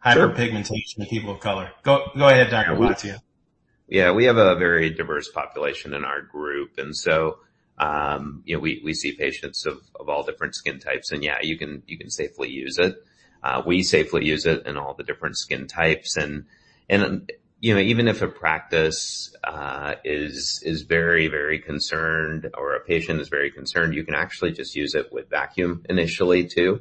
Sure. Hyperpigmentation in people of color. Go, go ahead, Dr. Bhatia. Yeah, we have a very diverse population in our group, and, you know, we see patients of all different skin types, and, yeah, you can safely use it. We safely use it in all the different skin types. And, you know, even if a practice is very, very concerned or a patient is very concerned, you can actually just use it with vacuum initially to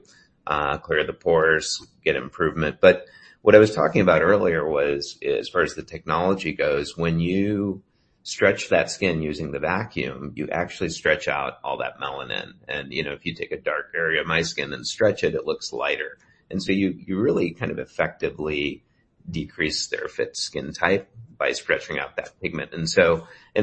clear the pores, get improvement. But what I was talking about earlier was, as far as the technology goes, when you stretch that skin using the vacuum, you actually stretch out all that melanin. And, you know, if you take a dark area of my skin and stretch it, it looks lighter. And so you really kind of effectively decrease their Fitzpatrick skin type by stretching out that pigment. And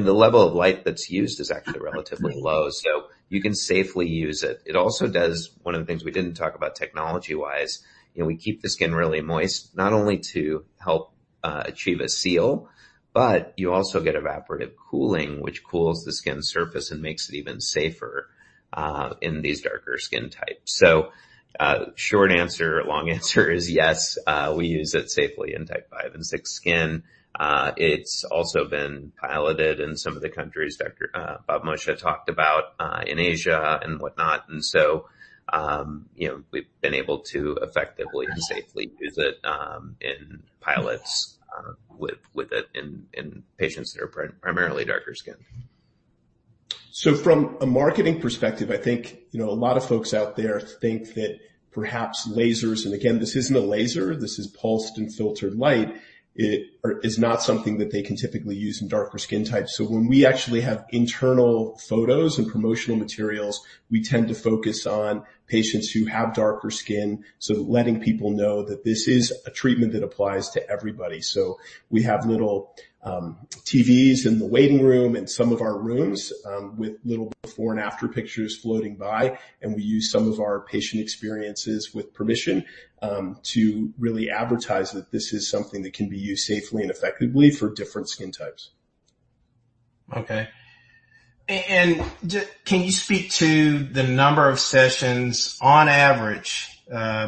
the level of light that's used is actually relatively low, so you can safely use it. It also does one of the things we didn't talk about technology-wise, you know, we keep the skin really moist, not only to help achieve a seal, but you also get evaporative cooling, which cools the skin surface and makes it even safer in these darker skin types. So, short answer, long answer is yes, we use it safely in type V and VI skin. It's also been piloted in some of the countries Dr. Bob Moccia talked about in Asia and whatnot. And so, you know, we've been able to effectively and safely use it in pilots with it in patients that are primarily darker skin. So from a marketing perspective, I think, you know, a lot of folks out there think that perhaps lasers, and again, this isn't a laser, this is pulsed and filtered light. It is not something that they can typically use in darker skin types. So when we actually have internal photos and promotional materials, we tend to focus on patients who have darker skin, so letting people know that this is a treatment that applies to everybody. So we have little TVs in the waiting room and some of our rooms with little before and after pictures floating by. And we use some of our patient experiences with permission to really advertise that this is something that can be used safely and effectively for different skin types. Okay. Can you speak to the number of sessions on average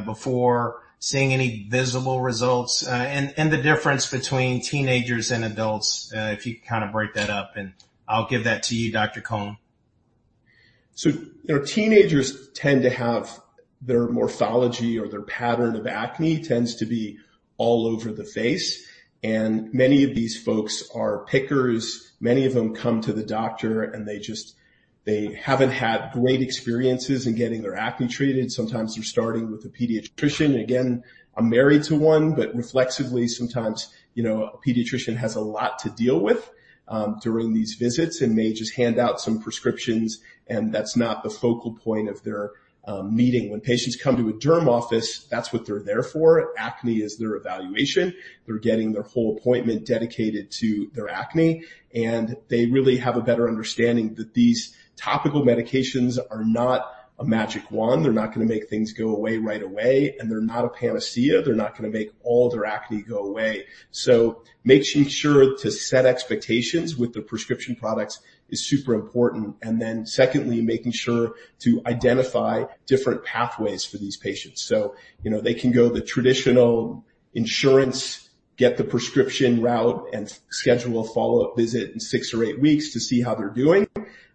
before seeing any visible results, and the difference between teenagers and adults? If you kind of break that up, and I'll give that to you, Dr. Cohen. So, you know, teenagers tend to have their morphology or their pattern of acne tends to be all over the face, and many of these folks are pickers. Many of them come to the doctor, and they just, they haven't had great experiences in getting their acne treated. Sometimes they're starting with a pediatrician. Again, I'm married to one, but reflexively, sometimes, you know, a pediatrician has a lot to deal with during these visits and may just hand out some prescriptions, and that's not the focal point of their meeting. When patients come to a derm office, that's what they're there for. Acne is their evaluation. They're getting their whole appointment dedicated to their acne, and they really have a better understanding that these topical medications are not a magic wand. They're not gonna make things go away right away, and they're not a panacea. They're not gonna make all their acne go away. So making sure to set expectations with the prescription products is super important. And then secondly, making sure to identify different pathways for these patients. So, you know, they can go the traditional insurance, get the prescription route, and schedule a follow-up visit in six or eight weeks to see how they're doing.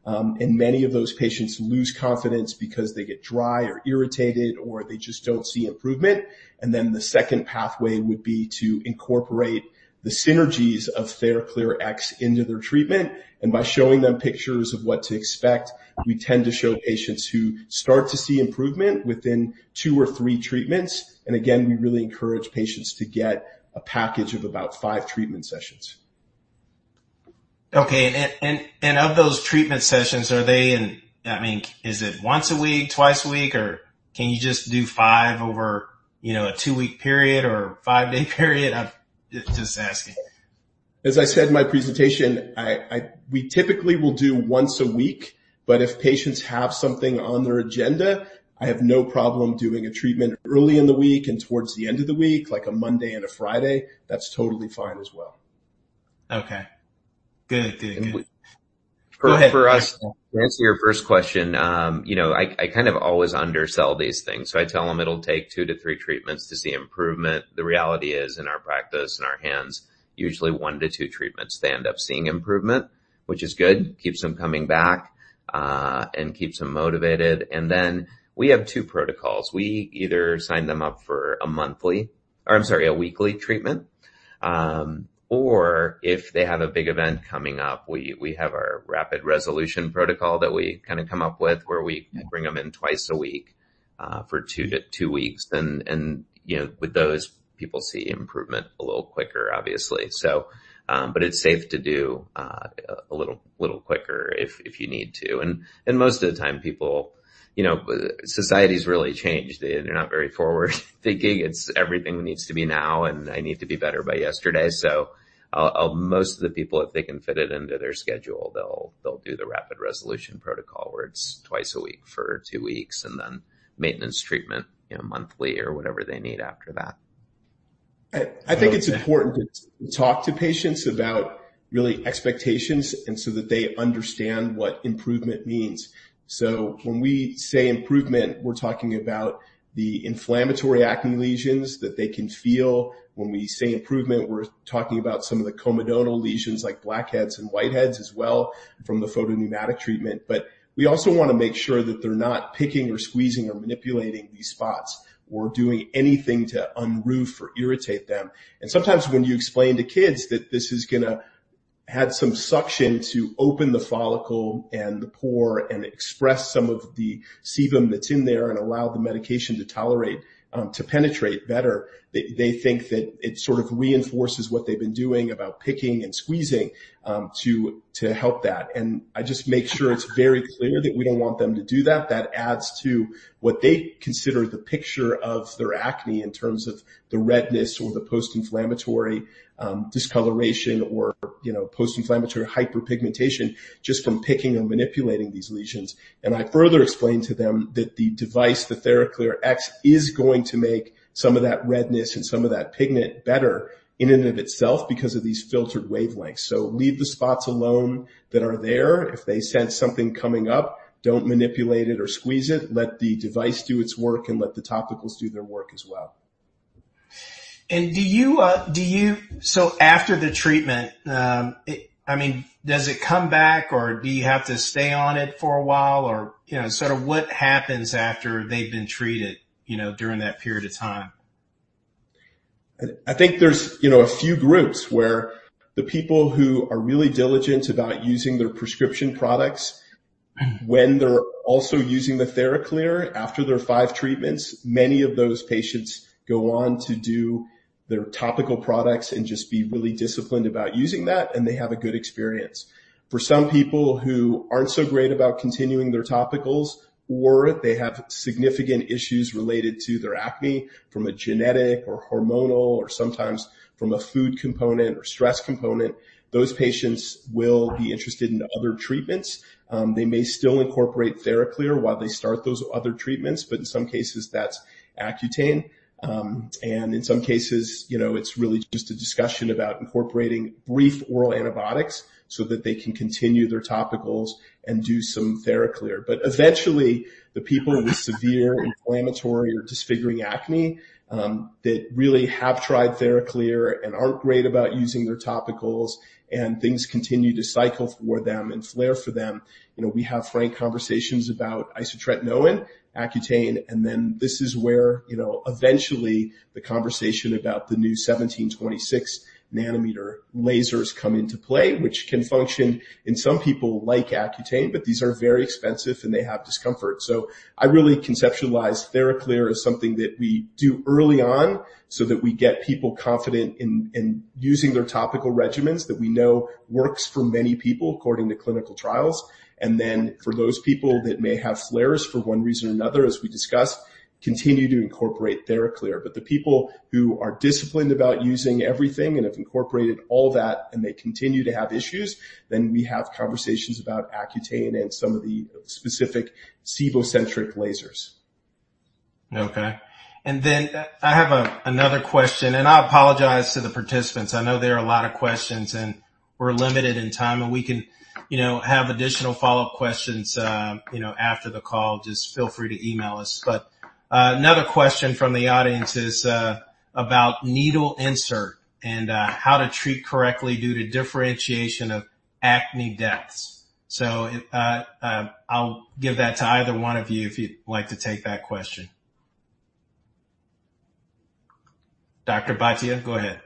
And many of those patients lose confidence because they get dry or irritated, or they just don't see improvement. And then the second pathway would be to incorporate the synergies of TheraClear X into their treatment, and by showing them pictures of what to expect, we tend to show patients who start to see improvement within two or three treatments. And again, we really encourage patients to get a package of about five treatment sessions. Okay, and of those treatment sessions, are they in... I mean, is it once a week, twice a week, or can you just do five over, you know, a two-week period or five-day period? I'm just asking. As I said in my presentation, we typically will do once a week, but if patients have something on their agenda, I have no problem doing a treatment early in the week and towards the end of the week, like a Monday and a Friday. That's totally fine as well. Okay, good, good, good. And w- Go ahead. For us, to answer your first question, you know, I kind of always undersell these things, so I tell them it'll take two-three treatments to see improvement. The reality is, in our practice, in our hands, usually one-two treatments, they end up seeing improvement, which is good, keeps them coming back, you know, and keeps them motivated. We have two protocols. We either sign them up for a monthly, or, I'm sorry, a weekly treatment, or if they have a big event coming up, we have our rapid resolution protocol that we kinda come up with, where we bring them in twice a week for two-two weeks. You know, with those people see improvement a little quicker, obviously. It's safe to do a little quicker if you need to. Most of the time people... You know, society's really changed. They're not very forward thinking. It's everything needs to be now, and I need to be better by yesterday. I'll, I'll-- most of the people, if they can fit it into their schedule, they'll, they'll do the rapid resolution protocol, where it's twice a week for two weeks, and then maintenance treatment, you know, monthly or whatever they need after that.... I think it's important to talk to patients about realistic expectations, and so that they understand what improvement means. So when we say improvement, we're talking about the inflammatory acne lesions that they can feel. When we say improvement, we're talking about some of the comedonal lesions, like blackheads and whiteheads as well, from the photopneumatic treatment. But we also wanna make sure that they're not picking or squeezing or manipulating these spots or doing anything to unroof or irritate them. And sometimes when you explain to kids that this is gonna add some suction to open the follicle and the pore and express some of the sebum that's in there and allow the medication to penetrate better, they think that it sort of reinforces what they've been doing about picking and squeezing to help that. I just make sure it's very clear that we don't want them to do that. That adds to what they consider the picture of their acne in terms of the redness or the post-inflammatory discoloration or, you know, post-inflammatory hyperpigmentation just from picking and manipulating these lesions. I further explain to them that the device, the TheraClear X, is going to make some of that redness and some of that pigment better in and of itself because of these filtered wavelengths. Leave the spots alone that are there. If they sense something coming up, don't manipulate it or squeeze it. Let the device do its work and let the topicals do their work as well. So after the treatment, it... I mean, does it come back, or do you have to stay on it for a while, or, you know, sort of what happens after they've been treated, you know, during that period of time? I think there's, you know, a few groups where the people who are really diligent about using their prescription products, when they're also using the TheraClear after their five treatments, many of those patients go on to do their topical products and just be really disciplined about using that, and they have a good experience. For some people who aren't so great about continuing their topicals, or they have significant issues related to their acne from a genetic or hormonal or sometimes from a food component or stress component, those patients will be interested in other treatments. They may still incorporate TheraClear while they start those other treatments, but in some cases, that's Accutane. And in some cases, you know, it's really just a discussion about incorporating brief oral antibiotics so that they can continue their topicals and do some TheraClear. But eventually, the people with severe inflammatory or disfiguring acne that really have tried TheraClear and aren't great about using their topicals, and things continue to cycle for them and flare for them, you know, we have frank conversations about isotretinoin, Accutane, and then this is where, you know, eventually the conversation about the new 1726 nm lasers come into play, which can function in some people like Accutane, but these are very expensive, and they have discomfort. So I really conceptualize TheraClear as something that we do early on so that we get people confident in using their topical regimens that we know works for many people, according to clinical trials. And then for those people that may have flares for one reason or another, as we discussed, continue to incorporate TheraClear. The people who are disciplined about using everything and have incorporated all that, and they continue to have issues, then we have conversations about Accutane and some of the specific sebo-centric lasers. Okay. And then, I have another question, and I apologize to the participants. I know there are a lot of questions, and we're limited in time, and we can, you know, have additional follow-up questions, you know, after the call. Just feel free to email us. But, another question from the audience is, about needle insert and, how to treat correctly due to differentiation of acne depths. So, I'll give that to either one of you, if you'd like to take that question. Dr. Bhatia, go ahead.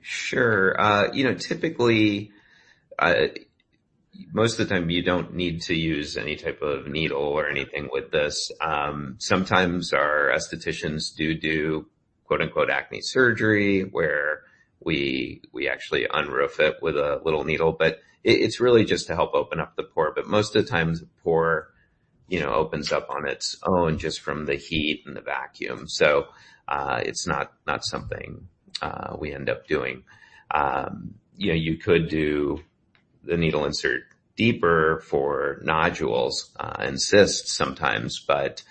Sure. You know, typically, most of the time, you don't need to use any type of needle or anything with this. Sometimes our aestheticians do do, quote-unquote, "acne surgery" where we, we actually unroof it with a little needle, but it, it's really just to help open up the pore. But most of the times, the pore, you know, opens up on its own just from the heat and the vacuum. So, it's not, not something we end up doing. You know, you could do the needle insert deeper for nodules and cysts sometimes, but,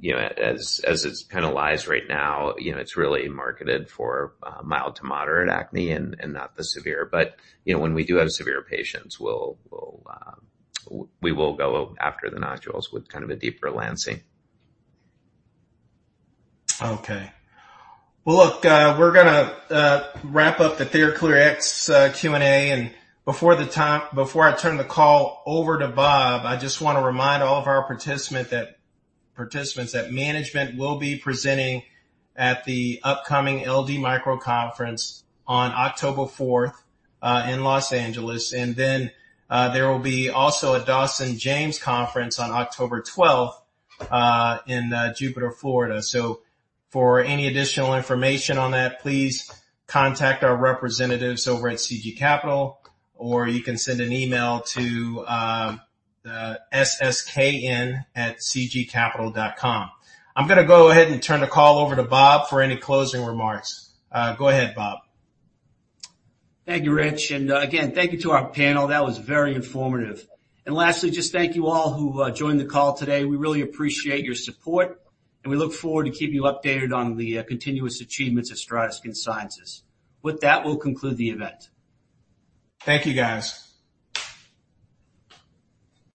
you know, as, as it's penalized right now, you know, it's really marketed for mild to moderate acne and, and not the severe. You know, when we do have severe patients, we will go after the nodules with kind of a deeper lancing. Okay. Well, look, we're gonna wrap up the TheraClear X Q&A, and before I turn the call over to Bob, I just want to remind all of our participants that management will be presenting at the upcoming LD Micro Conference on October 4 in Los Angeles. And then, there will be also a Dawson James conference on October 12 in Jupiter, Florida. So for any additional information on that, please contact our representatives over at CG Capital, or you can send an email to sskn@cgcapital.com. I'm gonna go ahead and turn the call over to Bob for any closing remarks. Go ahead, Bob. Thank you, Rich, and again, thank you to our panel. That was very informative. And lastly, just thank you all who joined the call today. We really appreciate your support, and we look forward to keeping you updated on the continuous achievements of STRATA Skin Sciences. With that, we'll conclude the event. Thank you, guys.